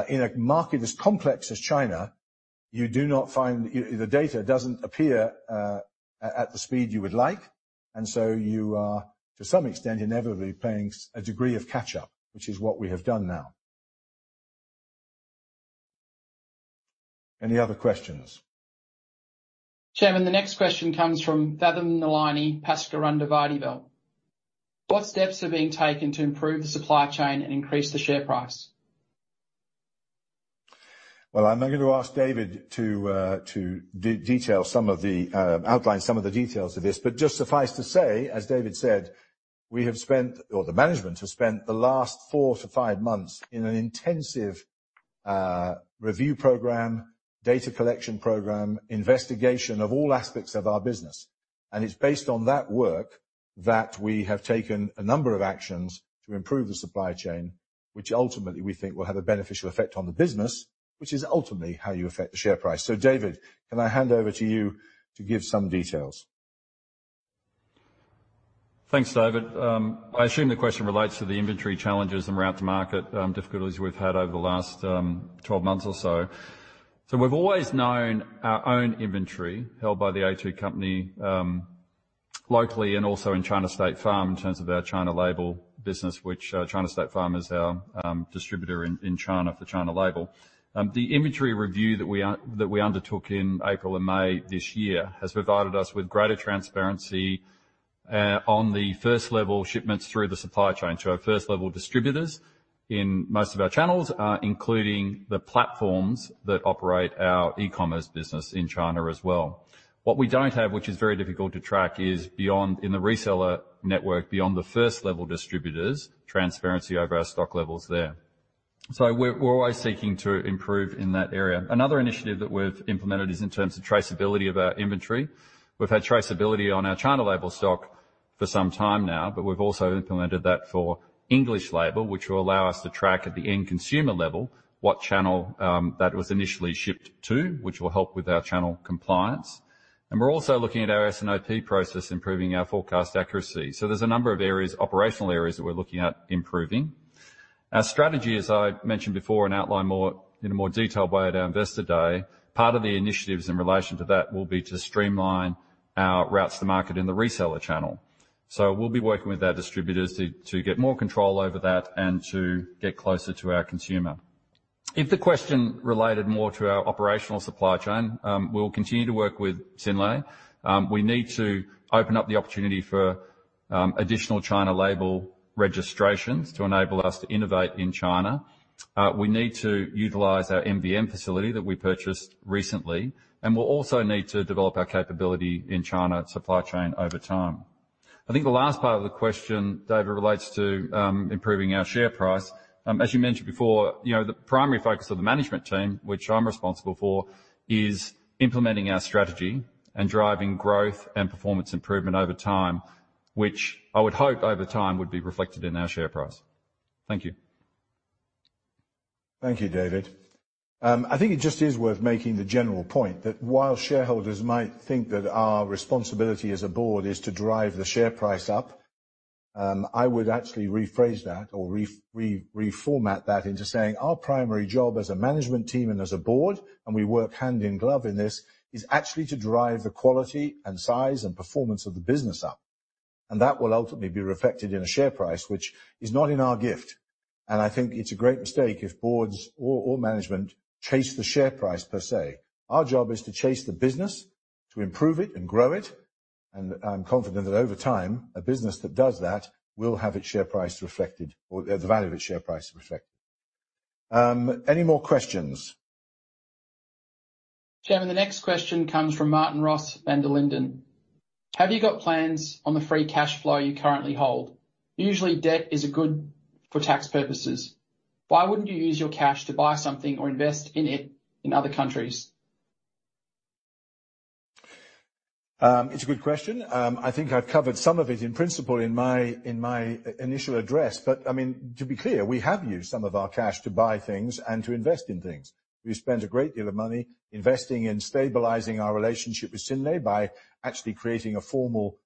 in a market as complex as China, you do not find the data doesn't appear at the speed you would like. You are, to some extent, inevitably playing a degree of catch-up, which is what we have done now. Any other questions? Chairman, the next question comes from Vadham Nalini Pasgerundavardivel. What steps are being taken to improve the supply chain and increase the share price? Well, I'm now gonna ask David to outline some of the details of this. But suffice to say, as David said, we have spent or the management has spent the last 4-5 months in an intensive review program, data collection program, investigation of all aspects of our business. It's based on that work that we have taken a number of actions to improve the supply chain, which ultimately we think will have a beneficial effect on the business, which is ultimately how you affect the share price. David, can I hand over to you to give some details? Thanks, David. I assume the question relates to the inventory challenges and route to market difficulties we've had over the last 12 months or so. We've always known our own inventory held by the a2 Company, locally and also in China State Farm in terms of our China-label business, which China State Farm is our distributor in China for China-label. The inventory review that we undertook in April and May this year has provided us with greater transparency on the first level shipments through the supply chain. Our first level distributors in most of our channels, including the platforms that operate our e-commerce business in China as well. What we don't have, which is very difficult to track, is beyond, in the reseller network, beyond the first level distributors, transparency over our stock levels there. We're always seeking to improve in that area. Another initiative that we've implemented is in terms of traceability of our inventory. We've had traceability on our China-label stock for some time now, but we've also implemented that for English-label, which will allow us to track at the end consumer level what channel that was initially shipped to, which will help with our channel compliance. We're also looking at our S&OP process, improving our forecast accuracy. There's a number of areas, operational areas that we're looking at improving. Our strategy, as I mentioned before and outlined more in a more detailed way at our Investor Day, part of the initiatives in relation to that will be to streamline our routes to market in the reseller channel. We'll be working with our distributors to get more control over that and to get closer to our consumer. If the question related more to our operational supply chain, we'll continue to work with Synlait. We need to open up the opportunity for additional China-label registrations to enable us to innovate in China. We need to utilize our MVM facility that we purchased recently, and we'll also need to develop our capability in China supply chain over time. I think the last part of the question, David, relates to improving our share price. As you mentioned before, you know, the primary focus of the management team, which I'm responsible for, is implementing our strategy and driving growth and performance improvement over time, which I would hope over time would be reflected in our share price. Thank you. Thank you, David. I think it just is worth making the general point that while shareholders might think that our responsibility as a board is to drive the share price up, I would actually rephrase that or reformat that into saying our primary job as a management team and as a board, and we work hand in glove in this, is actually to drive the quality and size and performance of the business up. That will ultimately be reflected in a share price which is not in our gift. I think it's a great mistake if boards or management chase the share price per se. Our job is to chase the business, to improve it and grow it. I'm confident that over time, a business that does that will have its share price reflected or the value of its share price reflected. Any more questions? Chairman, the next question comes from Martin Ross Vanderlinden. Have you got plans on the free cash flow you currently hold? Usually, debt is good for tax purposes. Why wouldn't you use your cash to buy something or invest in it in other countries? It's a good question. I think I've covered some of it in principle in my initial address, but I mean, to be clear, we have used some of our cash to buy things and to invest in things. We've spent a great deal of money investing in stabilizing our relationship with Synlait by actually creating a formal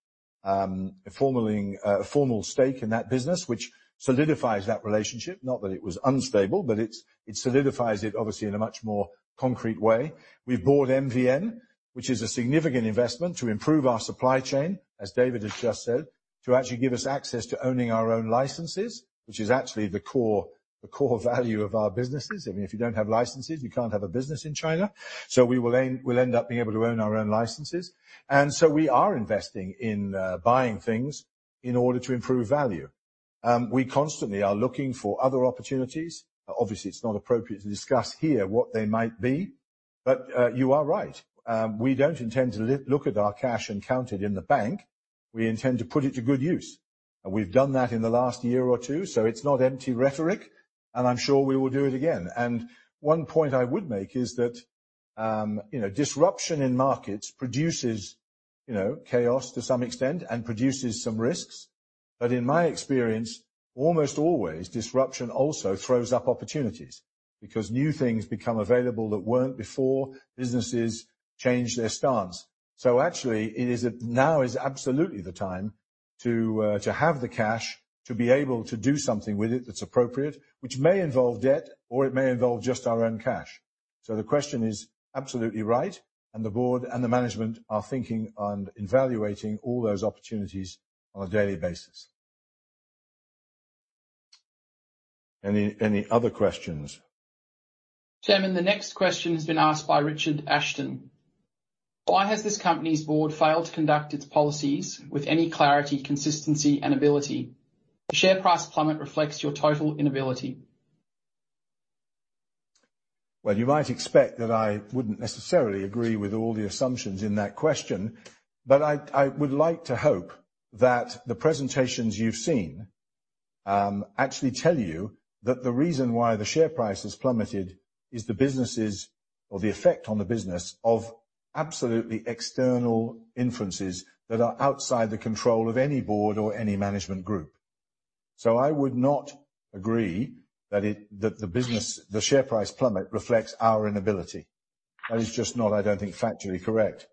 stake in that business which solidifies that relationship. Not that it was unstable, but it solidifies it obviously in a much more concrete way. We've bought MVN, which is a significant investment to improve our supply chain, as David has just said, to actually give us access to owning our own licenses, which is actually the core value of our businesses. I mean, if you don't have licenses, you can't have a business in China. We will aim, we'll end up being able to own our own licenses. We are investing in buying things in order to improve value. We constantly are looking for other opportunities. Obviously, it's not appropriate to discuss here what they might be, but you are right. We don't intend to look at our cash and count it in the bank. We intend to put it to good use. We've done that in the last year or two, so it's not empty rhetoric, and I'm sure we will do it again. One point I would make is that, you know, disruption in markets produces chaos to some extent and produces some risks. In my experience, almost always, disruption also throws up opportunities because new things become available that weren't before. Businesses change their stance. Actually, it is that now is absolutely the time to have the cash to be able to do something with it that's appropriate, which may involve debt, or it may involve just our own cash. The question is absolutely right, and the board and the management are thinking and evaluating all those opportunities on a daily basis. Any other questions? Chairman, the next question has been asked by Richard Ashton. Why has this company's board failed to conduct its policies with any clarity, consistency and ability? The share price plummet reflects your total inability. Well, you might expect that I wouldn't necessarily agree with all the assumptions in that question, but I would like to hope that the presentations you've seen actually tell you that the reason why the share price has plummeted is the businesses or the effect on the business of absolutely external influences that are outside the control of any board or any management group. I would not agree that it, that the business, the share price plummet reflects our inability. That is just not, I don't think, factually correct.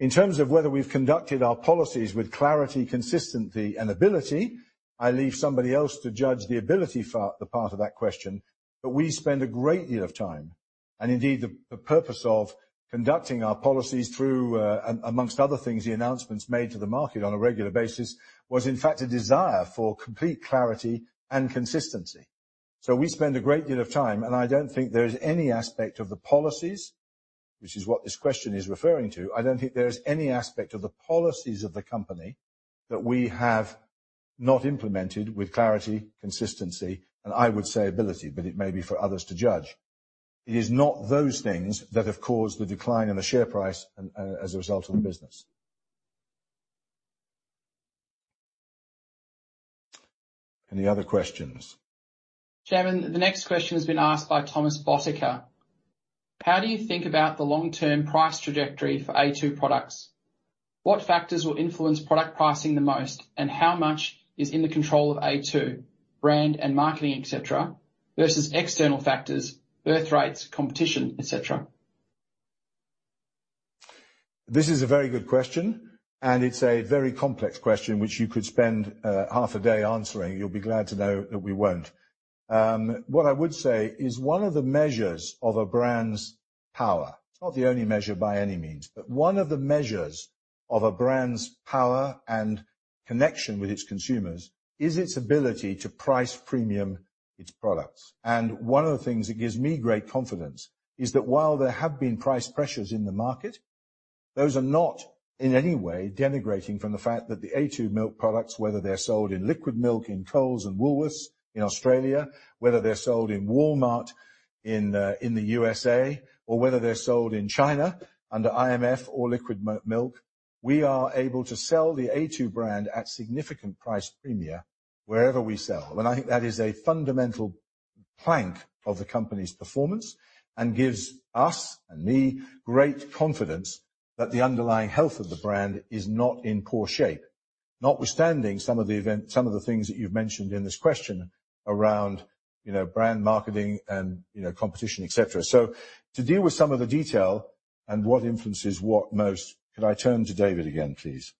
In terms of whether we've conducted our policies with clarity, consistency and ability, I leave somebody else to judge the ability the part of that question. We spend a great deal of time, and indeed the purpose of conducting our policies through, among other things, the announcements made to the market on a regular basis, was in fact a desire for complete clarity and consistency. We spend a great deal of time, and I don't think there is any aspect of the policies, which is what this question is referring to. I don't think there is any aspect of the policies of the company that we have not implemented with clarity, consistency, and I would say ability, but it may be for others to judge. It is not those things that have caused the decline in the share price as a result of the business. Any other questions? Chairman, the next question has been asked by Thomas Bottica. How do you think about the long-term price trajectory for a2 products? What factors will influence product pricing the most, and how much is in the control of a2, brand and marketing, et cetera, versus external factors, birthrates, competition, et cetera? This is a very good question, and it's a very complex question which you could spend half a day answering. You'll be glad to know that we won't. What I would say is one of the measures of a brand's power, it's not the only measure by any means. One of the measures of a brand's power and connection with its consumers is its ability to price premium its products. One of the things that gives me great confidence is that while there have been price pressures in the market, those are not in any way denigrating from the fact that the a2 Milk products, whether they're sold in liquid milk in Coles and Woolworths in Australia, whether they're sold in Walmart in the USA, or whether they're sold in China under IMF or liquid milk, we are able to sell the a2 brand at significant price premia wherever we sell. I think that is a fundamental plank of the company's performance and gives us and me great confidence that the underlying health of the brand is not in poor shape. Notwithstanding some of the things that you've mentioned in this question around, you know, brand marketing and, you know, competition, et cetera. To deal with some of the detail and what influences what most, could I turn to David again, please?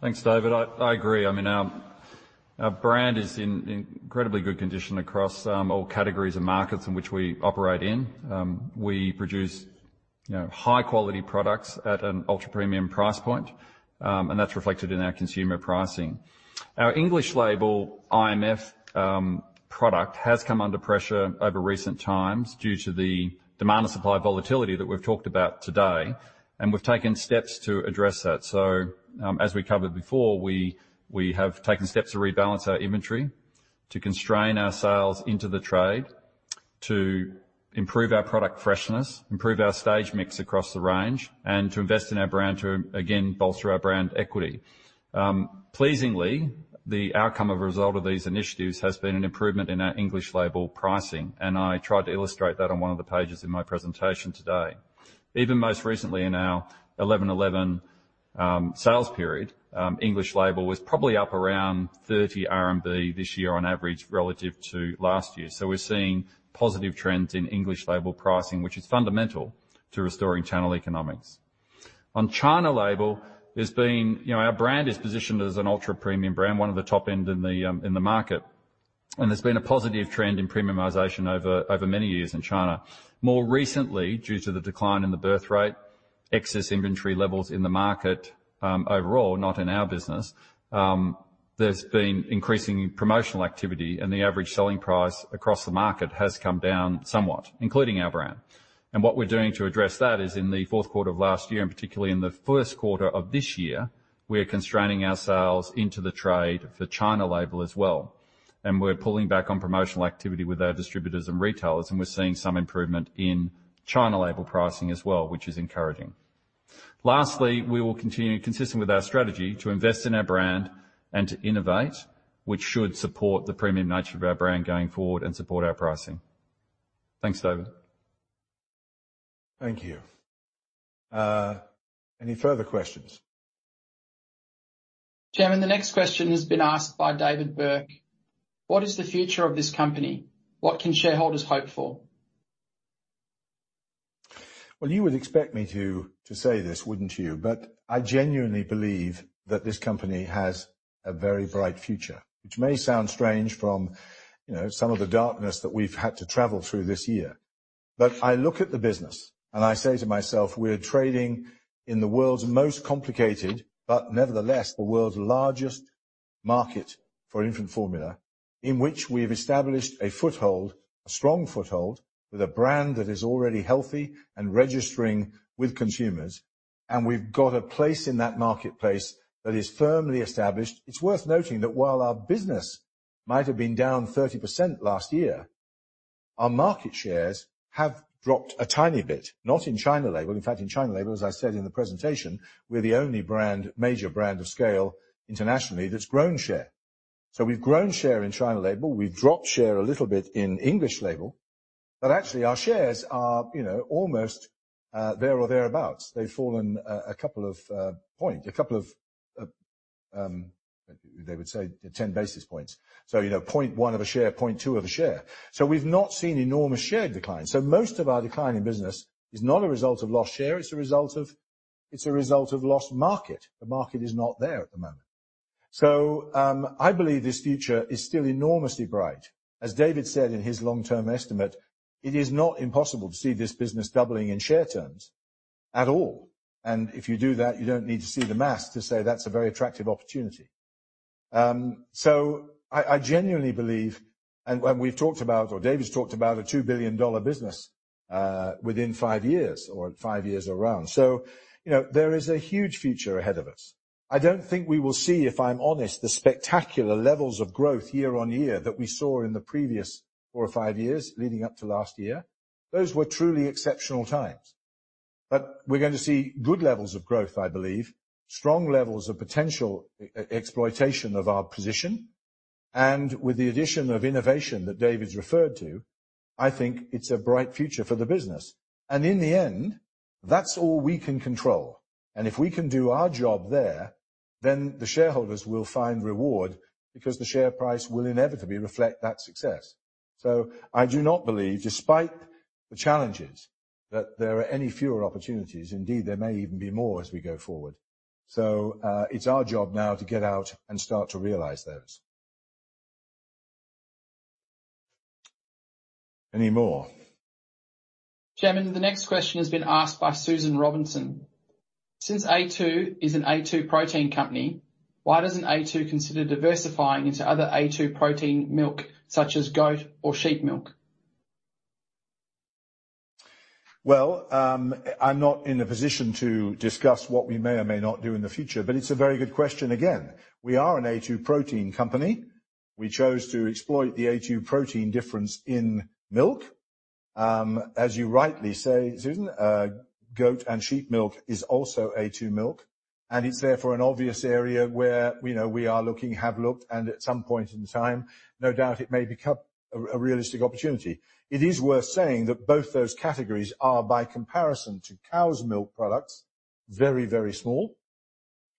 Thanks, David. I agree. I mean, our brand is in incredibly good condition across all categories and markets in which we operate in. We produce, you know, high-quality products at an ultra-premium price point, and that's reflected in our consumer pricing. Our English-label IMF product has come under pressure over recent times due to the demand and supply volatility that we've talked about today, and we've taken steps to address that. As we covered before, we have taken steps to rebalance our inventory, to constrain our sales into the trade, to improve our product freshness, improve our stage mix across the range, and to invest in our brand to, again, bolster our brand equity. Pleasingly, the outcome or result of these initiatives has been an improvement in our English-label pricing, and I tried to illustrate that on one of the pages in my presentation today. Even most recently in our 11/11 sales period, English-label was probably up around 30 RMB this year on average relative to last year. We're seeing positive trends in English-label pricing, which is fundamental to restoring channel economics. On China-label, there's been. You know, our brand is positioned as an ultra-premium brand, one of the top end in the in the market. There's been a positive trend in premiumization over many years in China. More recently, due to the decline in the birth rate, excess inventory levels in the market, overall, not in our business, there's been increasing promotional activity and the average selling price across the market has come down somewhat, including our brand. What we're doing to address that is in the fourth quarter of last year, and particularly in the first quarter of this year, we are constraining our sales into the trade for China-label as well, and we're pulling back on promotional activity with our distributors and retailers, and we're seeing some improvement in China-label pricing as well, which is encouraging. Lastly, we will continue consistent with our strategy to invest in our brand and to innovate, which should support the premium nature of our brand going forward and support our pricing. Thanks, David. Thank you. Any further questions? Chairman, the next question has been asked by David Burke: What is the future of this company? What can shareholders hope for? Well, you would expect me to say this, wouldn't you? I genuinely believe that this company has a very bright future, which may sound strange from, you know, some of the darkness that we've had to travel through this year. I look at the business and I say to myself, we're trading in the world's most complicated, but nevertheless, the world's largest market for infant formula, in which we have established a foothold, a strong foothold, with a brand that is already healthy and registering with consumers. We've got a place in that marketplace that is firmly established. It's worth noting that while our business might have been down 30% last year, our market shares have dropped a tiny bit, not in China-label. In fact, in China-label, as I said in the presentation, we're the only brand, major brand of scale internationally that's grown share. We've grown share in China-label. We've dropped share a little bit in English-label. Actually, our shares are, you know, almost there or thereabouts. They've fallen a couple of points. They would say 10 basis points. You know, 0.1 of a share, 0.2 of a share. We've not seen enormous share decline. Most of our decline in business is not a result of lost share, it's a result of lost market. The market is not there at the moment. I believe this future is still enormously bright. As David said in his long-term estimate, it is not impossible to see this business doubling in share terms at all. If you do that, you don't need to see the math to say that's a very attractive opportunity. I genuinely believe, and we've talked about or David's talked about a 2 billion dollar business within five years or five years around. You know, there is a huge future ahead of us. I don't think we will see, if I'm honest, the spectacular levels of growth year-on-year that we saw in the previous four or five years leading up to last year. Those were truly exceptional times. We're going to see good levels of growth, I believe, strong levels of potential exploitation of our position. With the addition of innovation that David's referred to, I think it's a bright future for the business. In the end, that's all we can control. If we can do our job there, then the shareholders will find reward because the share price will inevitably reflect that success. I do not believe, despite the challenges, that there are any fewer opportunities. Indeed, there may even be more as we go forward. It's our job now to get out and start to realize those. Any more? Chairman, the next question has been asked by Susan Robinson. Since A2 is an A2 protein company, why doesn't A2 consider diversifying into other A2 protein milk, such as goat or sheep milk? Well, I'm not in a position to discuss what we may or may not do in the future, but it's a very good question. Again, we are an A2 protein company. We chose to exploit the a2 protein difference in milk. As you rightly say, Susan, goat and sheep milk is also A2 milk, and it's therefore an obvious area where we know we are looking, have looked, and at some point in time, no doubt it may become a realistic opportunity. It is worth saying that both those categories are, by comparison to cow's milk products, very, very small.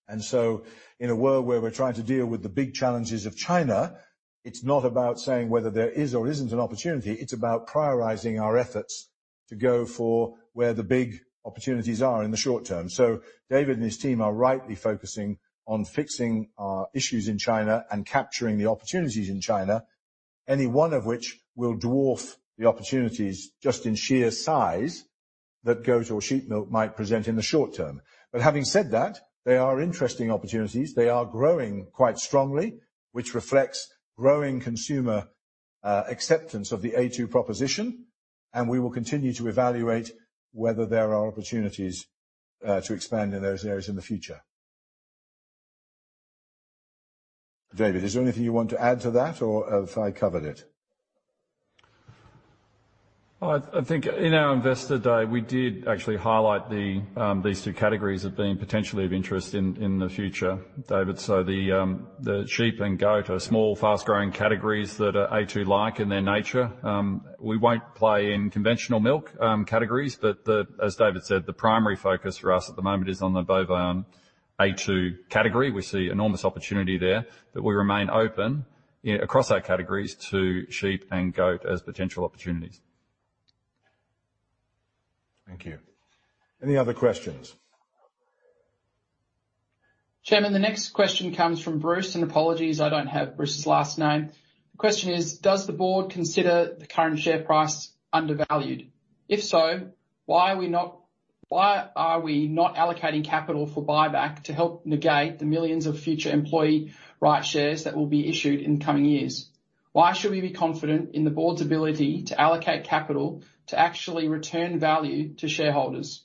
In a world where we're trying to deal with the big challenges of China, it's not about saying whether there is or isn't an opportunity, it's about prioritizing our efforts to go for where the big opportunities are in the short term. David and his team are rightly focusing on fixing our issues in China and capturing the opportunities in China, any one of which will dwarf the opportunities just in sheer size that goat or sheep milk might present in the short term. Having said that, they are interesting opportunities. They are growing quite strongly, which reflects growing consumer acceptance of the a2 proposition, and we will continue to evaluate whether there are opportunities to expand in those areas in the future. David, is there anything you want to add to that, or have I covered it? I think in our investor day, we did actually highlight these two categories as being potentially of interest in the future, David. The sheep and goat are small, fast-growing categories that are A2-like in their nature. We won't play in conventional milk categories, but as David said, the primary focus for us at the moment is on the bovine A2 category. We see enormous opportunity there that will remain open across our categories to sheep and goat as potential opportunities. Thank you. Any other questions? Chairman, the next question comes from Bruce, and apologies, I don't have Bruce's last name. The question is, does the board consider the current share price undervalued? If so, why are we not allocating capital for buyback to help negate the millions of future employee right shares that will be issued in the coming years? Why should we be confident in the board's ability to allocate capital to actually return value to shareholders?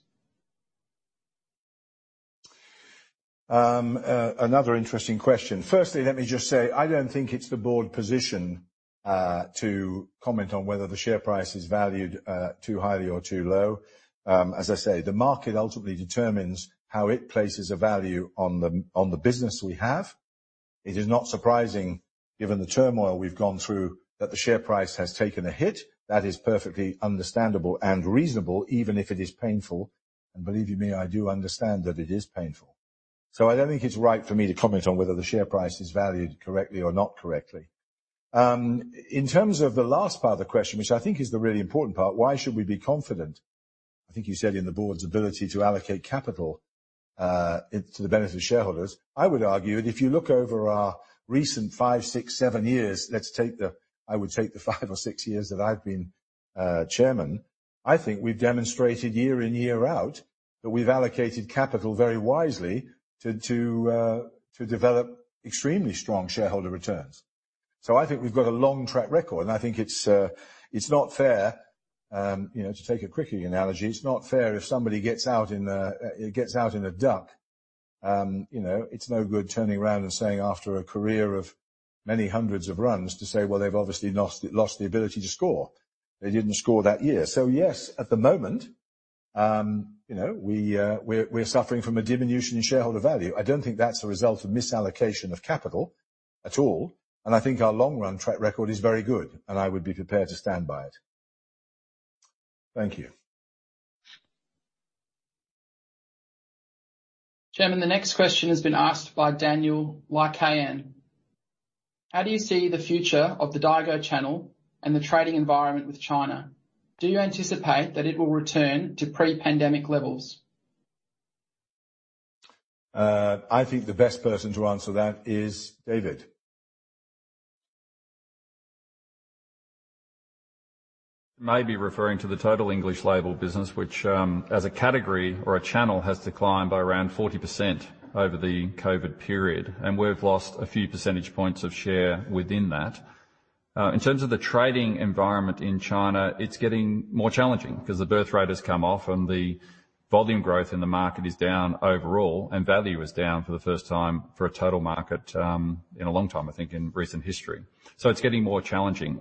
Another interesting question. Firstly, let me just say, I don't think it's the board position to comment on whether the share price is valued too highly or too low. As I say, the market ultimately determines how it places a value on the business we have. It is not surprising, given the turmoil we've gone through, that the share price has taken a hit. That is perfectly understandable and reasonable, even if it is painful. And believe you me, I do understand that it is painful. I don't think it's right for me to comment on whether the share price is valued correctly or not correctly. In terms of the last part of the question, which I think is the really important part, why should we be confident, I think you said in the board's ability to allocate capital to the benefit of shareholders. I would argue, and if you look over our recent five, six, seven years, I would take the five or six years that I've been chairman. I think we've demonstrated year in, year out, that we've allocated capital very wisely to develop extremely strong shareholder returns. I think we've got a long track record, and I think it's not fair, you know, to take a cricket analogy. It's not fair if somebody gets out in a duck, you know, it's no good turning around and saying after a career of many hundreds of runs to say, "Well, they've obviously lost the ability to score. They didn't score that year." Yes, at the moment, you know, we're suffering from a diminution in shareholder value. I don't think that's a result of misallocation of capital at all, and I think our long-run track record is very good, and I would be prepared to stand by it. Thank you. Chairman, the next question has been asked by Daniel Lycaon. How do you see the future of the Daigou channel and the trading environment with China? Do you anticipate that it will return to pre-pandemic levels? I think the best person to answer that is David. Maybe referring to the total English-label business, which, as a category or a channel, has declined by around 40% over the COVID period, and we've lost a few percentage points of share within that. In terms of the trading environment in China, it's getting more challenging 'cause the birth rate has come off and the volume growth in the market is down overall and value is down for the first time for a total market, in a long time, I think, in recent history. It's getting more challenging.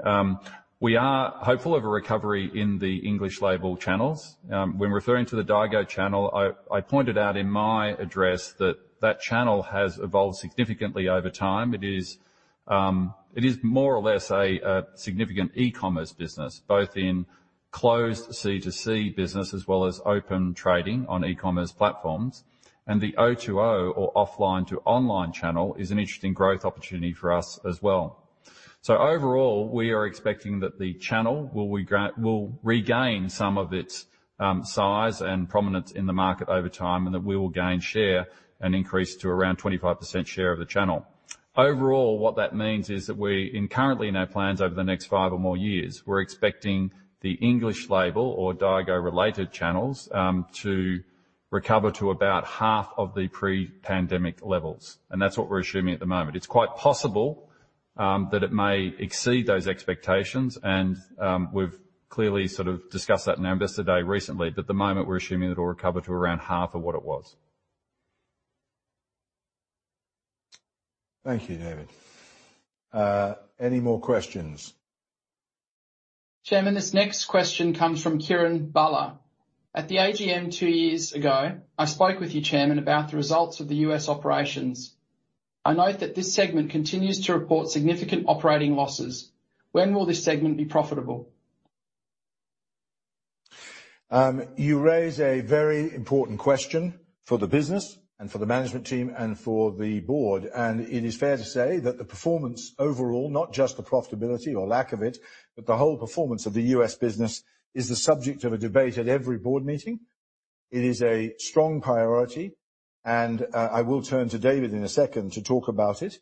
We are hopeful of a recovery in the English-label channels. When referring to the Daigou channel, I pointed out in my address that that channel has evolved significantly over time. It is more or less a significant e-commerce business, both in closed C2C business as well as open trading on e-commerce platforms. The O2O or offline to online channel is an interesting growth opportunity for us as well. Overall, we are expecting that the channel will regain some of its size and prominence in the market over time, and that we will gain share and increase to around 25% share of the channel. Overall, what that means is that we're currently in our plans over the next five or more years, we're expecting the English-label or Daigou related channels to recover to about half of the pre-pandemic levels. That's what we're assuming at the moment. It's quite possible that it may exceed those expectations and we've clearly sort of discussed that in our Investor Day recently. The moment we're assuming it will recover to around half of what it was. Thank you, David. Any more questions? Chairman, this next question comes from Kieran Bala. At the AGM two years ago, I spoke with you, Chairman, about the results of the U.S. operations. I note that this segment continues to report significant operating losses. When will this segment be profitable? You raise a very important question for the business and for the management team and for the board, and it is fair to say that the performance overall, not just the profitability or lack of it, but the whole performance of the US business is the subject of a debate at every board meeting. It is a strong priority, and I will turn to David in a second to talk about it.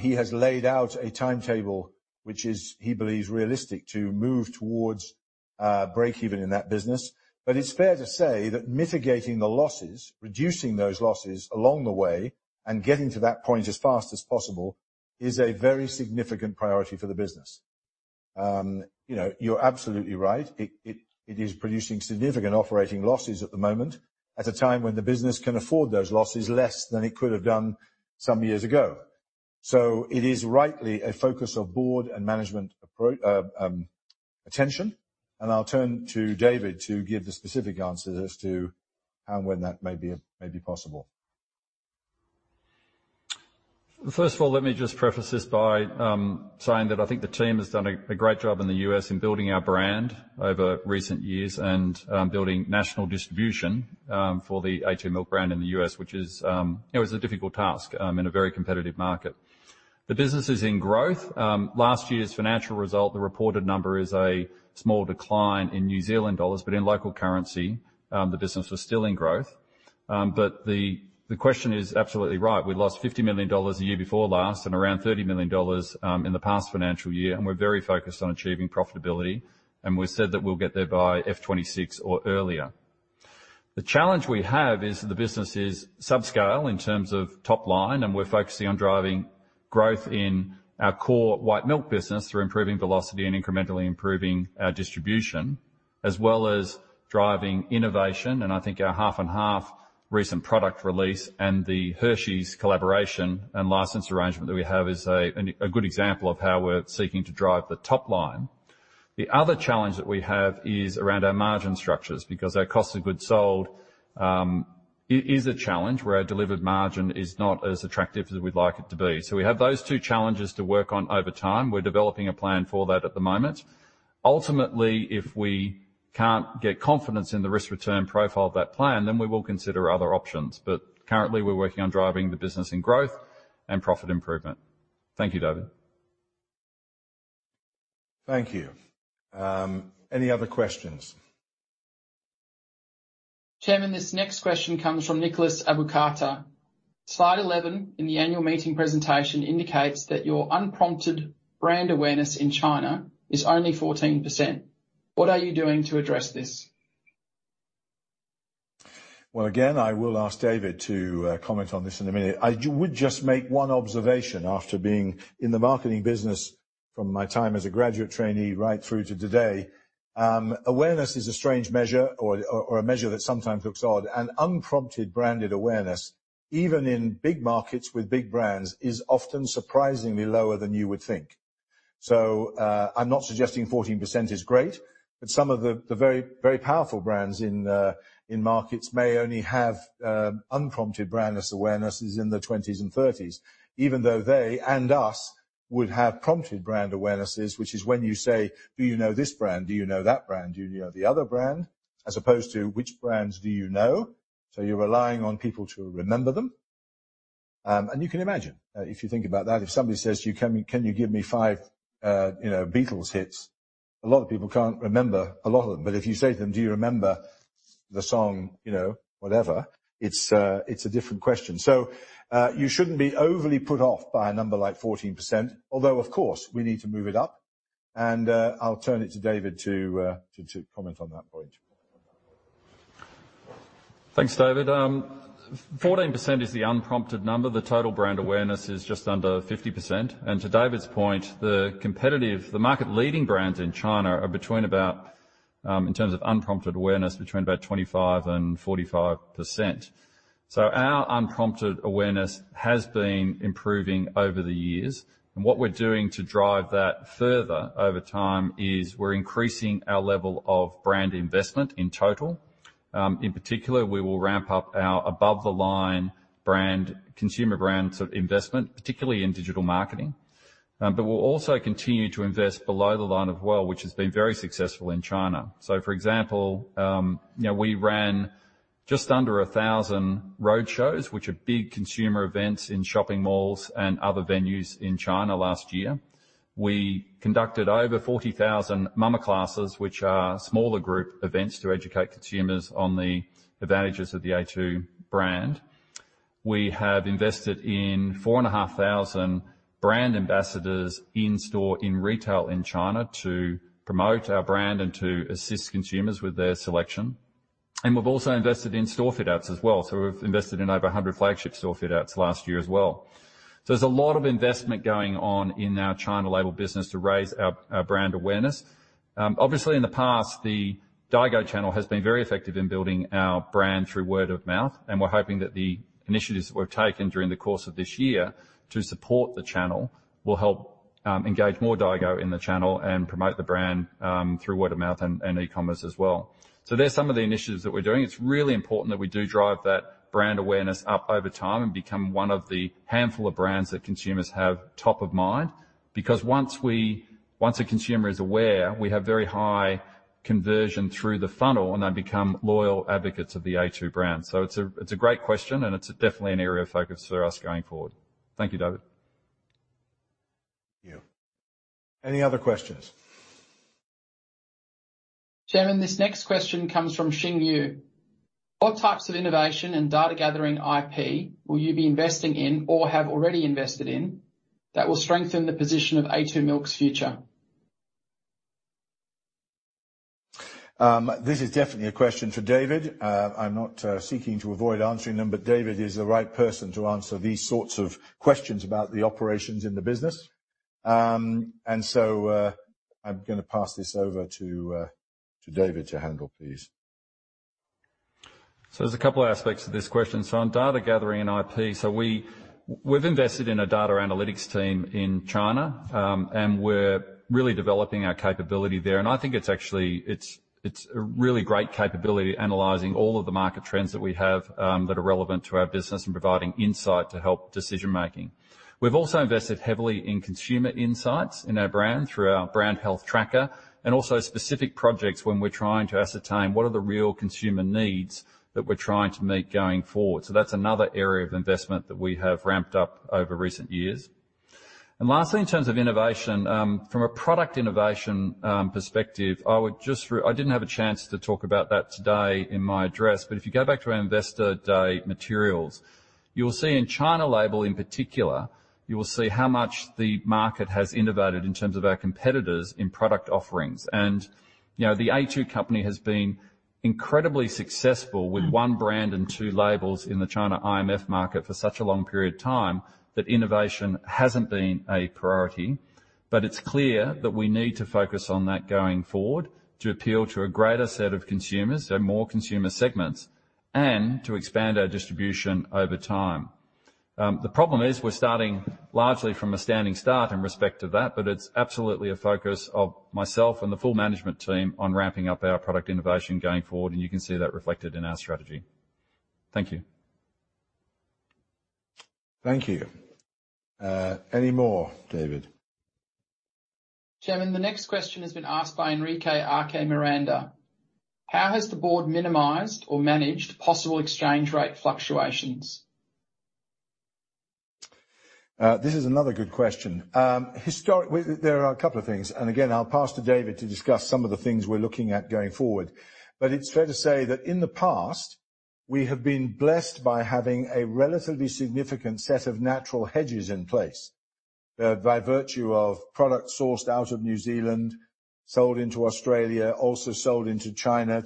He has laid out a timetable which is, he believes, realistic to move towards breakeven in that business. It's fair to say that mitigating the losses, reducing those losses along the way and getting to that point as fast as possible is a very significant priority for the business. You know, you're absolutely right. It is producing significant operating losses at the moment, at a time when the business can afford those losses less than it could have done some years ago. It is rightly a focus of board and management attention. I'll turn to David to give the specific answers as to how and when that may be possible. First of all, let me just preface this by saying that I think the team has done a great job in the U.S. in building our brand over recent years and building national distribution for the a2 Milk brand in the U.S., which it was a difficult task in a very competitive market. The business is in growth. Last year's financial result, the reported number is a small decline in New Zealand dollars, but in local currency the business was still in growth. The question is absolutely right. We lost $50 million a year before last and around $30 million in the past financial year, and we're very focused on achieving profitability, and we've said that we'll get there by FY 2026 or earlier. The challenge we have is the business is subscale in terms of top line, and we're focusing on driving growth in our core white milk business through improving velocity and incrementally improving our distribution, as well as driving innovation. I think our Half & Half recent product release and the Hershey's collaboration and license arrangement that we have is a good example of how we're seeking to drive the top line. The other challenge that we have is around our margin structures, because our cost of goods sold is a challenge where our delivered margin is not as attractive as we'd like it to be. We have those two challenges to work on over time. We're developing a plan for that at the moment. Ultimately, if we can't get confidence in the risk-return profile of that plan, then we will consider other options. Currently, we're working on driving the business in growth and profit improvement. Thank you, David. Thank you. Any other questions? Chairman, this next question comes from Nicholas Abucata. Slide 11 in the annual meeting presentation indicates that your unprompted brand awareness in China is only 14%. What are you doing to address this? Well, again, I will ask David to comment on this in a minute. I would just make one observation after being in the marketing business from my time as a graduate trainee right through to today. Awareness is a strange measure or a measure that sometimes looks odd and unprompted brand awareness, even in big markets with big brands, is often surprisingly lower than you would think. I'm not suggesting 14% is great, but some of the very, very powerful brands in markets may only have unprompted brand awareness in the 20s and 30s, even though they and us would have prompted brand awarenesses, which is when you say, "Do you know this brand? Do you know that brand? Do you know the other brand?" As opposed to which brands do you know? You're relying on people to remember them. You can imagine if you think about that, if somebody says, "Can you give me five, you know, Beatles hits?" A lot of people can't remember a lot of them. If you say to them, "Do you remember the song, you know, whatever," it's a different question. You shouldn't be overly put off by a number like 14%, although of course, we need to move it up. I'll turn it to David to comment on that point. Thanks, David. Fourteen percent is the unprompted number. The total brand awareness is just under 50%. To David's point, the competitive, market-leading brands in China are between about, in terms of unprompted awareness, between about 25% and 45%. Our unprompted awareness has been improving over the years. What we're doing to drive that further over time is we're increasing our level of brand investment in total. In particular, we will ramp up our above-the-line brand, consumer brand sort of investment, particularly in digital marketing. But we'll also continue to invest below the line as well, which has been very successful in China. For example, we ran just under 1,000 roadshows, which are big consumer events in shopping malls and other venues in China last year. We conducted over 40,000 mama classes, which are smaller group events to educate consumers on the advantages of the a2 brand. We have invested in 4,500 brand ambassadors in store in retail in China to promote our brand and to assist consumers with their selection. We've also invested in store fit outs as well. We've invested in over 100 flagship store fit outs last year as well. There's a lot of investment going on in our China-label business to raise our brand awareness. Obviously, in the past, the Daigou channel has been very effective in building our brand through word of mouth, and we're hoping that the initiatives that we've taken during the course of this year to support the channel will help engage more Daigou in the channel and promote the brand through word of mouth and e-commerce as well. There's some of the initiatives that we're doing. It's really important that we do drive that brand awareness up over time and become one of the handful of brands that consumers have top of mind. Because once a consumer is aware, we have very high conversion through the funnel, and they become loyal advocates of the a2 brand. It's a great question, and it's definitely an area of focus for us going forward. Thank you, David. Thank you. Any other questions? Chairman, this next question comes from Xing Yu. What types of innovation and data-gathering IP will you be investing in or have already invested in that will strengthen the position of a2 Milk's future? This is definitely a question for David. I'm not seeking to avoid answering them, but David is the right person to answer these sorts of questions about the operations in the business. I'm gonna pass this over to David to handle, please. There's a couple aspects to this question. On data gathering and IP. We've invested in a data analytics team in China, and we're really developing our capability there, and I think it's a really great capability analyzing all of the market trends that we have that are relevant to our business and providing insight to help decision-making. We've also invested heavily in consumer insights in our brand through our brand health tracker and also specific projects when we're trying to ascertain what are the real consumer needs that we're trying to meet going forward. That's another area of investment that we have ramped up over recent years. Lastly, in terms of innovation, from a product innovation perspective, I didn't have a chance to talk about that today in my address, but if you go back to our investor day materials, you'll see in China-label in particular, you will see how much the market has innovated in terms of our competitors in product offerings. You know, the a2 Company has been incredibly successful with one brand and two labels in the China IMF market for such a long period of time that innovation hasn't been a priority. It's clear that we need to focus on that going forward to appeal to a greater set of consumers and more consumer segments and to expand our distribution over time. The problem is we're starting largely from a standing start in respect to that, but it's absolutely a focus of myself and the full management team on ramping up our product innovation going forward, and you can see that reflected in our strategy. Thank you. Thank you. Any more, David? Chairman, the next question has been asked by Enrique R.K. Miranda. How has the board minimized or managed possible exchange rate fluctuations? This is another good question. There are a couple of things, and again, I'll pass to David to discuss some of the things we're looking at going forward. It's fair to say that in the past, we have been blessed by having a relatively significant set of natural hedges in place, by virtue of product sourced out of New Zealand, sold into Australia, also sold into China.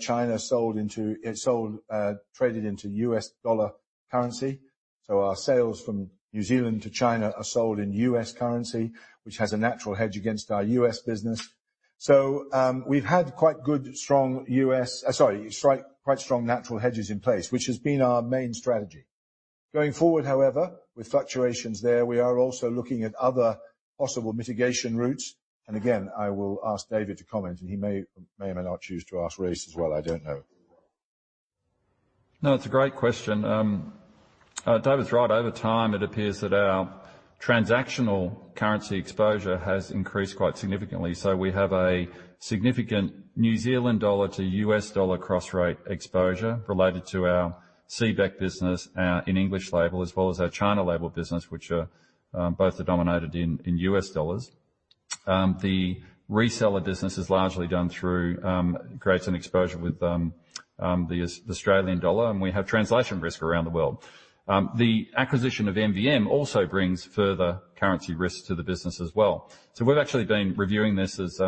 Our sales from New Zealand to China are sold in US currency, which has a natural hedge against our US business. We've had quite strong natural hedges in place, which has been our main strategy. Going forward, however, with fluctuations there, we are also looking at other possible mitigation routes. Again, I will ask David to comment, and he may or may not choose to ask Rhys as well, I don't know. No, it's a great question. David's right. Over time, it appears that our transactional currency exposure has increased quite significantly. We have a significant New Zealand dollar to U.S. dollar cross rate exposure related to our CBEC business in English-label as well as our China-label business, which both are denominated in U.S. dollars. The reseller business is largely done through creates an exposure with the Australian dollar, and we have translation risk around the world. The acquisition of MVM also brings further currency risks to the business as well. We've actually been reviewing this, as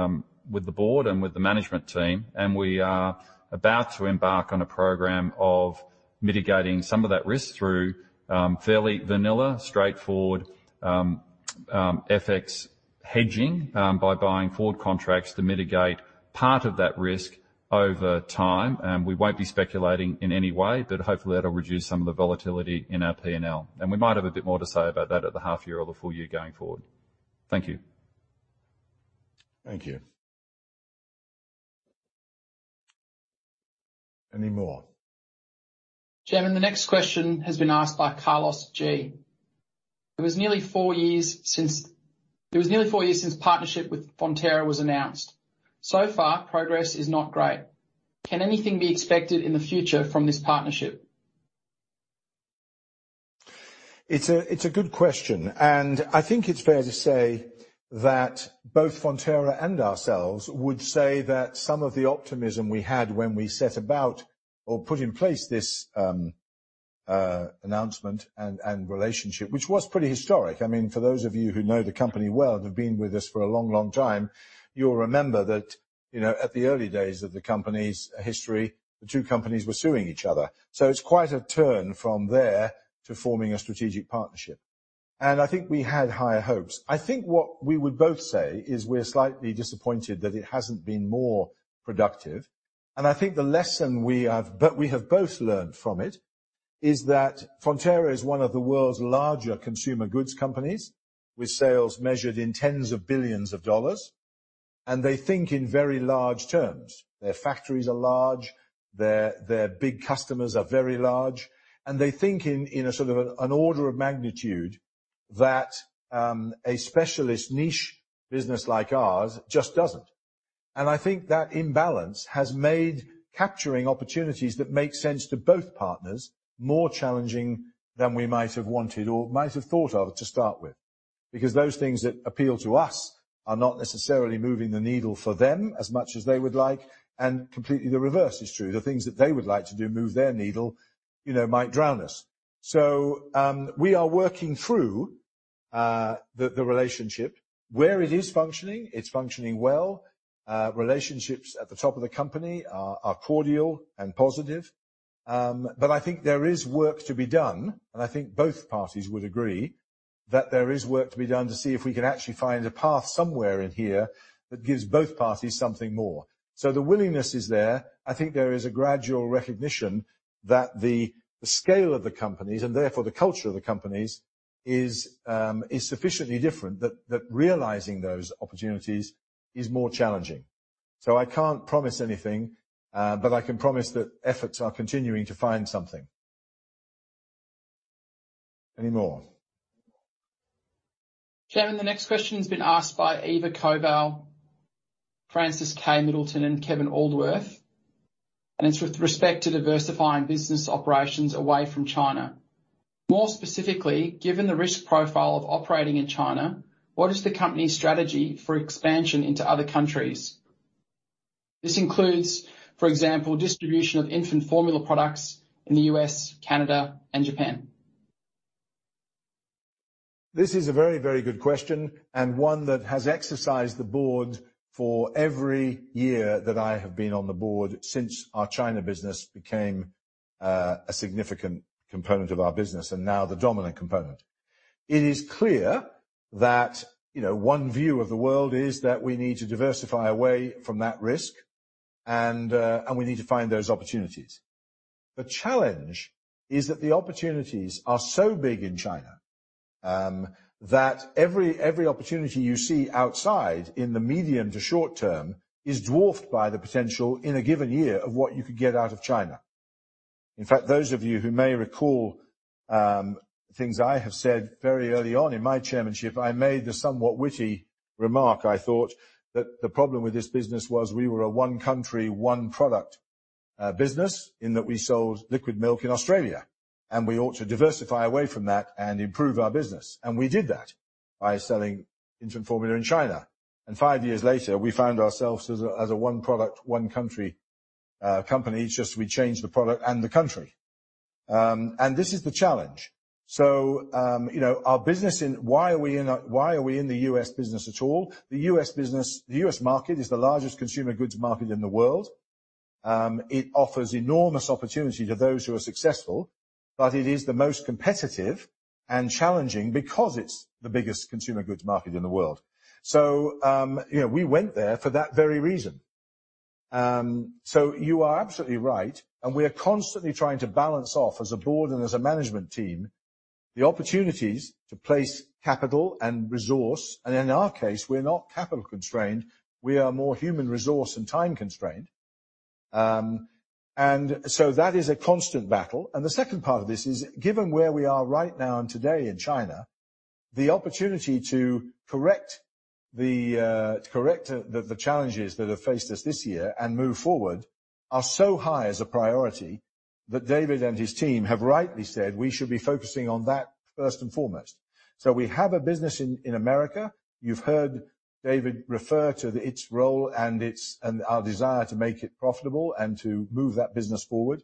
with the board and with the management team, and we are about to embark on a program of mitigating some of that risk through fairly vanilla, straightforward FX hedging by buying forward contracts to mitigate part of that risk over time. We won't be speculating in any way, but hopefully, that'll reduce some of the volatility in our P&L. We might have a bit more to say about that at the half year or the full year going forward. Thank you. Thank you. Any more? Chairman, the next question has been asked by Carlos G. It was nearly four years since the partnership with Fonterra was announced. So far, progress is not great. Can anything be expected in the future from this partnership? It's a good question, and I think it's fair to say that both Fonterra and ourselves would say that some of the optimism we had when we set about or put in place this announcement and relationship, which was pretty historic. I mean, for those of you who know the company well, have been with us for a long, long time, you'll remember that, you know, at the early days of the company's history, the two companies were suing each other. It's quite a turn from there to forming a strategic partnership. I think we had higher hopes. I think what we would both say is we're slightly disappointed that it hasn't been more productive. I think the lesson we both learned from it is that Fonterra is one of the world's larger consumer goods companies with sales measured in tens of billions NZD. They think in very large terms. Their factories are large, their big customers are very large, and they think in a sort of an order of magnitude that a specialist niche business like ours just doesn't. I think that imbalance has made capturing opportunities that make sense to both partners more challenging than we might have wanted or might have thought of to start with. Because those things that appeal to us are not necessarily moving the needle for them as much as they would like, and completely the reverse is true. The things that they would like to do move their needle, you know, might drown us. We are working through the relationship. Where it is functioning, it's functioning well. Relationships at the top of the company are cordial and positive. I think there is work to be done, and I think both parties would agree that there is work to be done to see if we can actually find a path somewhere in here that gives both parties something more. The willingness is there. I think there is a gradual recognition that the scale of the companies, and therefore the culture of the companies is sufficiently different, that realizing those opportunities is more challenging. I can't promise anything, but I can promise that efforts are continuing to find something. Any more? Chairman, the next question's been asked by Eva Kowal, Francis K. Middleton, and Kevin Aldworth, and it's with respect to diversifying business operations away from China. More specifically, given the risk profile of operating in China, what is the company's strategy for expansion into other countries? This includes, for example, distribution of infant formula products in the U.S., Canada, and Japan. This is a very, very good question, and one that has exercised the board for every year that I have been on the board since our China business became a significant component of our business and now the dominant component. It is clear that, you know, one view of the world is that we need to diversify away from that risk, and we need to find those opportunities. The challenge is that the opportunities are so big in China, that every opportunity you see outside in the medium to short term is dwarfed by the potential in a given year of what you could get out of China. In fact, those of you who may recall things I have said very early on in my chairmanship, I made the somewhat witty remark, I thought that the problem with this business was we were a one country, one product business in that we sold liquid milk in Australia, and we ought to diversify away from that and improve our business. We did that by selling infant formula in China. Five years later, we found ourselves as a one product, one country company, just we changed the product and the country. This is the challenge. You know, why are we in the U.S. business at all? The U.S. business, the U.S. market is the largest consumer goods market in the world. It offers enormous opportunity to those who are successful, but it is the most competitive and challenging because it's the biggest consumer goods market in the world. You know, we went there for that very reason. You are absolutely right, and we are constantly trying to balance off as a board and as a management team, the opportunities to place capital and resource, and in our case, we're not capital constrained, we are more human resource and time-constrained. That is a constant battle. The second part of this is, given where we are right now and today in China, the opportunity to correct the challenges that have faced us this year and move forward are so high as a priority that David and his team have rightly said we should be focusing on that first and foremost. We have a business in America. You've heard David refer to its role and our desire to make it profitable and to move that business forward.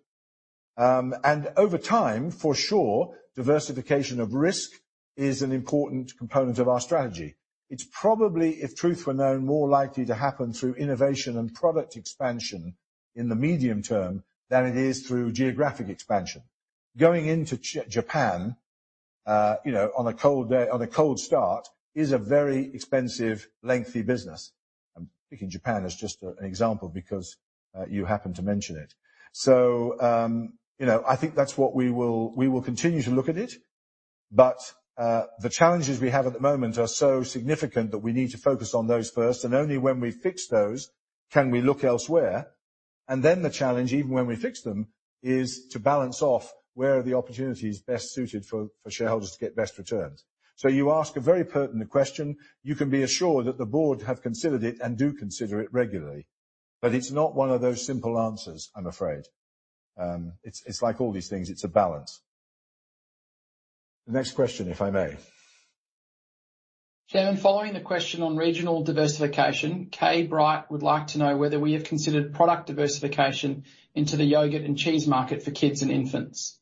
Over time, for sure, diversification of risk is an important component of our strategy. It's probably, if truth were known, more likely to happen through innovation and product expansion in the medium term than it is through geographic expansion. Going into Japan, you know, on a cold start is a very expensive, lengthy business. I'm picking Japan as just an example because you happen to mention it. You know, I think that's what we will continue to look at it, but the challenges we have at the moment are so significant that we need to focus on those first, and only when we fix those can we look elsewhere. Then the challenge, even when we fix them, is to balance off where are the opportunities best suited for shareholders to get best returns. You ask a very pertinent question. You can be assured that the board have considered it and do consider it regularly. It's not one of those simple answers, I'm afraid. It's like all these things, it's a balance. Next question, if I may. Hearn, following the question on regional diversification, Kay Bright would like to know whether we have considered product diversification into the yogurt and cheese market for kids and infants.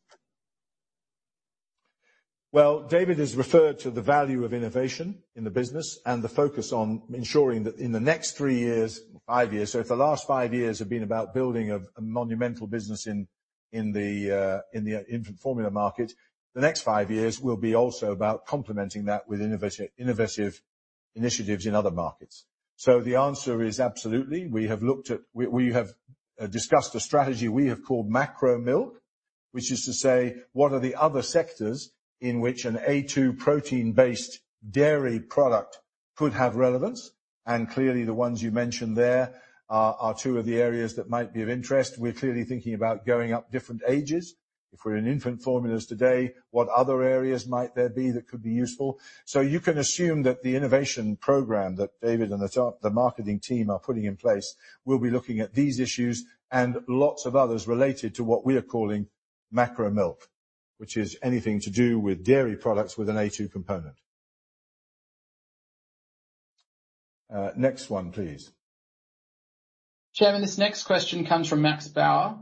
Well, David has referred to the value of innovation in the business and the focus on ensuring that in the next three years, five years. If the last five years have been about building a monumental business in the infant formula market, the next five years will be also about complementing that with innovative initiatives in other markets. The answer is absolutely. We have discussed a strategy we have called macro milk, which is to say what are the other sectors in which an a2 protein-based dairy product could have relevance, and clearly the ones you mentioned there are two of the areas that might be of interest. We're clearly thinking about going up different ages. If we're in infant formulas today, what other areas might there be that could be useful? You can assume that the innovation program that David and the marketing team are putting in place will be looking at these issues and lots of others related to what we are calling Macro Milk, which is anything to do with dairy products with an A2 component. Next one, please. Chairman, this next question comes from Max Bauer.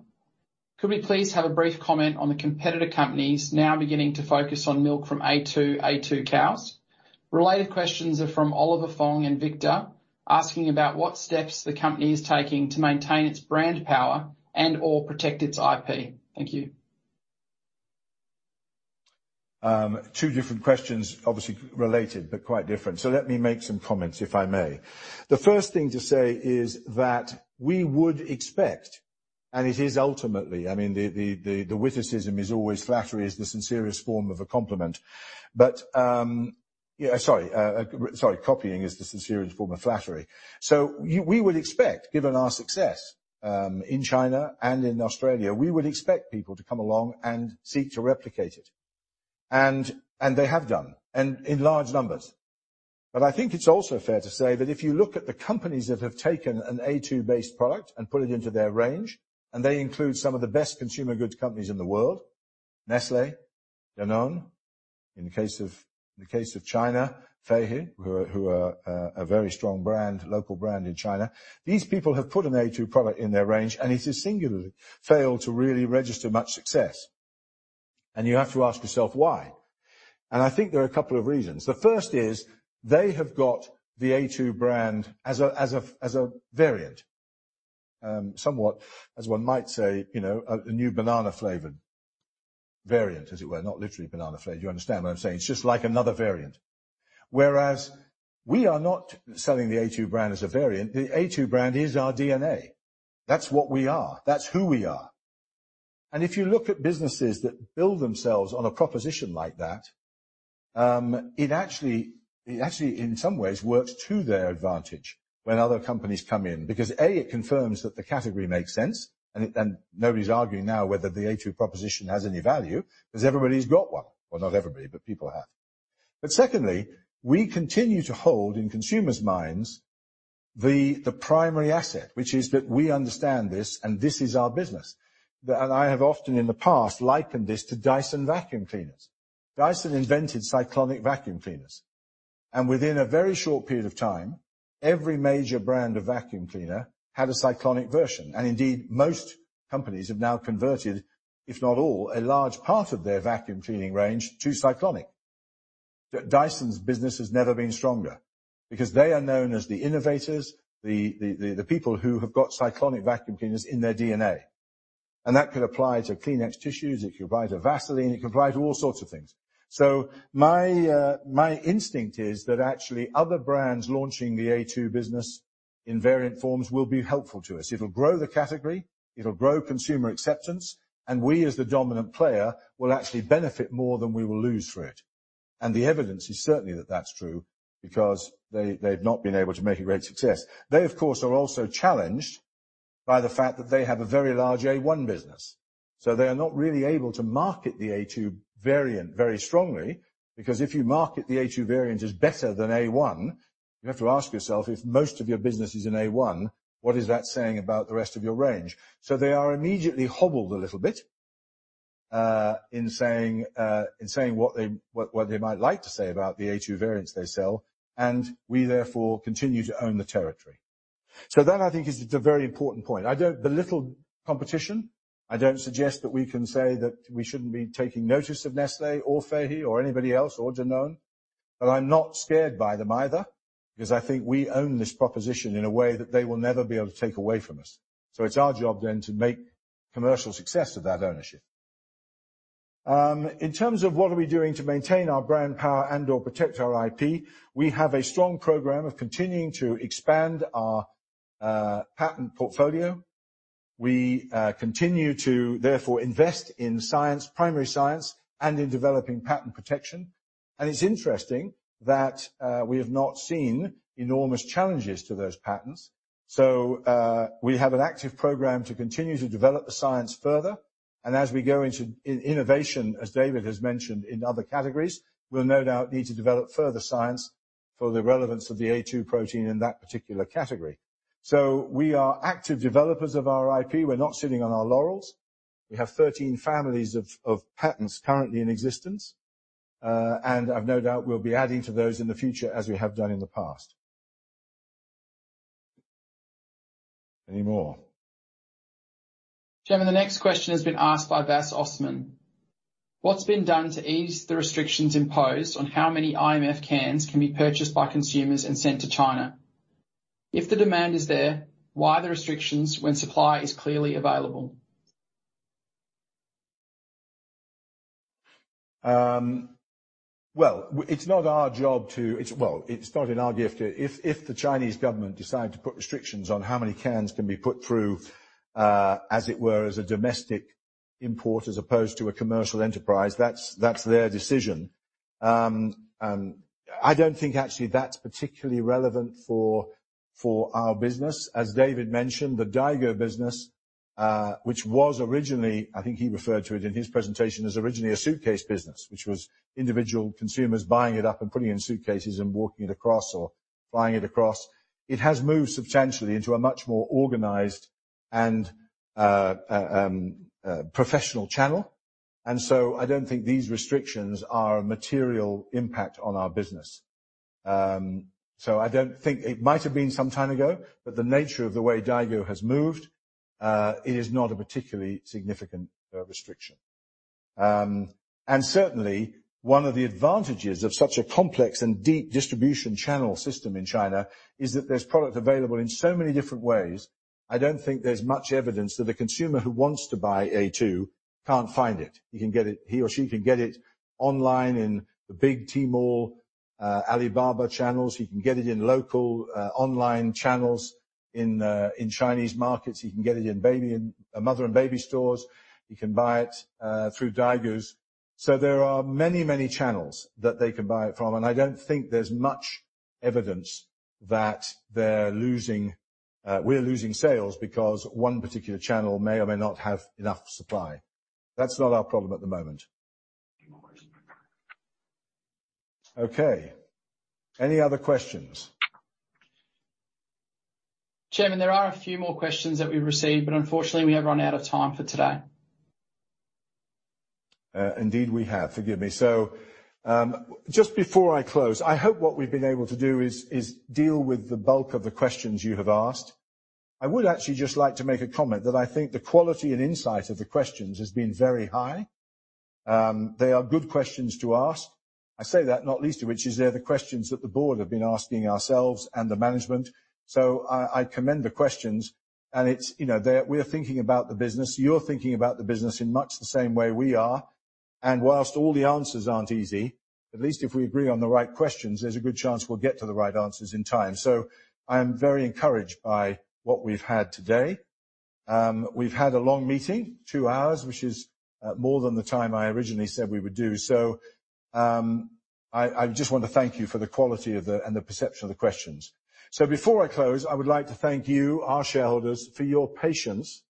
Could we please have a brief comment on the competitor companies now beginning to focus on milk from a2 cows? Related questions are from Oliver Fong and Victor, asking about what steps the company is taking to maintain its brand power and or protect its IP. Thank you. Two different questions, obviously related, but quite different. Let me make some comments, if I may. The first thing to say is that we would expect, and it is ultimately, I mean, the witticism is always flattery is the sincerest form of a compliment. But, sorry, copying is the sincerest form of flattery. We would expect, given our success, in China and in Australia, we would expect people to come along and seek to replicate it. They have done, and in large numbers. I think it's also fair to say that if you look at the companies that have taken an a2-based product and put it into their range, and they include some of the best consumer goods companies in the world, Nestlé, Danone, in the case of China, Feihe, who are a very strong brand, local brand in China. These people have put an a2 product in their range, and it has singularly failed to really register much success. You have to ask yourself why. I think there are a couple of reasons. The first is they have got the a2 brand as a variant, somewhat, as one might say, you know, a new banana flavored variant, as it were, not literally banana flavored. You understand what I'm saying? It's just like another variant. Whereas we are not selling the a2 brand as a variant. The a2 brand is our DNA. That's what we are. That's who we are. If you look at businesses that build themselves on a proposition like that, it actually in some ways works to their advantage when other companies come in because, A, it confirms that the category makes sense, and nobody's arguing now whether the a2 proposition has any value, 'cause everybody's got one. Well, not everybody, but people have. But secondly, we continue to hold in consumers' minds the primary asset, which is that we understand this and this is our business. And I have often in the past likened this to Dyson vacuum cleaners. Dyson invented cyclonic vacuum cleaners, and within a very short period of time, every major brand of vacuum cleaner had a cyclonic version. Indeed, most companies have now converted, if not all, a large part of their vacuum cleaning range to cyclonic. Dyson's business has never been stronger because they are known as the innovators, the people who have got cyclonic vacuum cleaners in their DNA. That could apply to Kleenex tissues, it could apply to Vaseline, it could apply to all sorts of things. My instinct is that actually other brands launching the a2 business in variant forms will be helpful to us. It'll grow the category, it'll grow consumer acceptance, and we, as the dominant player, will actually benefit more than we will lose for it. The evidence is certainly that that's true because they've not been able to make a great success. They, of course, are also challenged by the fact that they have a very large A1 business. They are not really able to market the A2 variant very strongly, because if you market the A2 variant as better than A1, you have to ask yourself, if most of your business is in A1, what is that saying about the rest of your range? They are immediately hobbled a little bit in saying what they might like to say about the A2 variants they sell, and we therefore continue to own the territory. That I think is a very important point. I don't belittle competition. I don't suggest that we can say that we shouldn't be taking notice of Nestlé or Feihe or anybody else or Danone, but I'm not scared by them either, because I think we own this proposition in a way that they will never be able to take away from us. It's our job then to make commercial success of that ownership. In terms of what are we doing to maintain our brand power and or protect our IP, we have a strong program of continuing to expand our patent portfolio. We continue to therefore invest in science, primary science, and in developing patent protection. It's interesting that we have not seen enormous challenges to those patents. We have an active program to continue to develop the science further. As we go into innovation, as David has mentioned, in other categories, we'll no doubt need to develop further science for the relevance of the a2 protein in that particular category. We are active developers of our IP. We're not sitting on our laurels. We have 13 families of patents currently in existence. I've no doubt we'll be adding to those in the future as we have done in the past. Any more? Chairman, the next question has been asked by Vas Osman. What's been done to ease the restrictions imposed on how many IMF cans can be purchased by consumers and sent to China? If the demand is there, why the restrictions when supply is clearly available? Well, it's not our job. It's not in our gift. If the Chinese government decide to put restrictions on how many cans can be put through, as it were, as a domestic import as opposed to a commercial enterprise, that's their decision. I don't think actually that's particularly relevant for our business. As David mentioned, the Daigou business, which was originally, I think he referred to it in his presentation, as originally a suitcase business, which was individual consumers buying it up and putting in suitcases and walking it across or flying it across. It has moved substantially into a much more organized and professional channel. I don't think these restrictions are a material impact on our business. I don't think it might have been some time ago, but the nature of the way Daigou has moved is not a particularly significant restriction. Certainly one of the advantages of such a complex and deep distribution channel system in China is that there's product available in so many different ways. I don't think there's much evidence that a consumer who wants to buy A2 can't find it. He or she can get it online in the big Tmall, Alibaba channels. He can get it in local online channels in Chinese markets. He can get it in mother and baby stores. He can buy it through Daigous. There are many, many channels that they can buy it from, and I don't think there's much evidence that we're losing sales because one particular channel may or may not have enough supply. That's not our problem at the moment. Okay. Any other questions? Chairman, there are a few more questions that we've received, but unfortunately we have run out of time for today. Indeed, we have. Forgive me. Just before I close, I hope what we've been able to do is deal with the bulk of the questions you have asked. I would actually just like to make a comment that I think the quality and insight of the questions has been very high. They are good questions to ask. I say that not least of which is they're the questions that the board have been asking ourselves and the management. I commend the questions and we're thinking about the business. You're thinking about the business in much the same way we are. Whilst all the answers aren't easy, at least if we agree on the right questions, there's a good chance we'll get to the right answers in time. I am very encouraged by what we've had today. We've had a long meeting, two hours, which is more than the time I originally said we would do. I just want to thank you for the quality of the, and the perception of the questions. Before I close, I would like to thank you, our shareholders, for your patience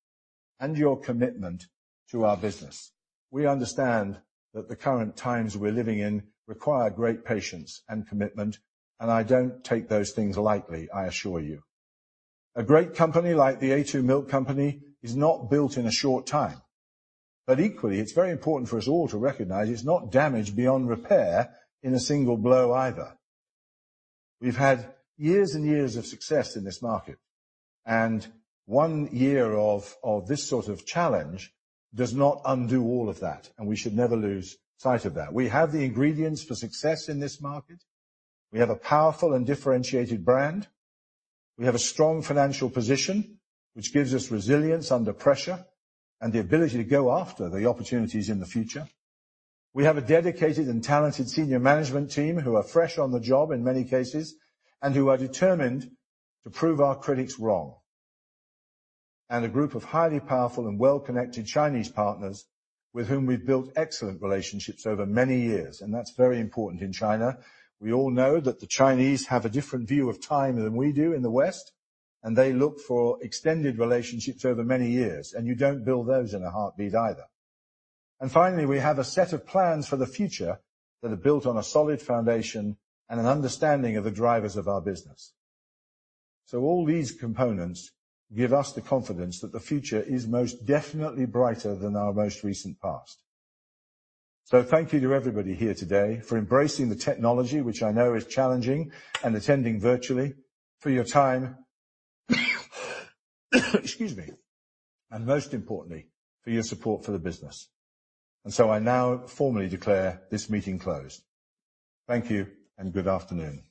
and your commitment to our business. We understand that the current times we're living in require great patience and commitment, and I don't take those things lightly, I assure you. A great company like The a2 Milk Company is not built in a short time. Equally, it's very important for us all to recognize it's not damaged beyond repair in a single blow either. We've had years and years of success in this market, and one year of this sort of challenge does not undo all of that, and we should never lose sight of that. We have the ingredients for success in this market. We have a powerful and differentiated brand. We have a strong financial position, which gives us resilience under pressure and the ability to go after the opportunities in the future. We have a dedicated and talented senior management team who are fresh on the job in many cases, and who are determined to prove our critics wrong. A group of highly powerful and well-connected Chinese partners with whom we've built excellent relationships over many years, and that's very important in China. We all know that the Chinese have a different view of time than we do in the West, and they look for extended relationships over many years, and you don't build those in a heartbeat either. Finally, we have a set of plans for the future that are built on a solid foundation and an understanding of the drivers of our business. All these components give us the confidence that the future is most definitely brighter than our most recent past. Thank you to everybody here today for embracing the technology, which I know is challenging, and attending virtually for your time, excuse me, and most importantly, for your support for the business. I now formally declare this meeting closed. Thank you and good afternoon.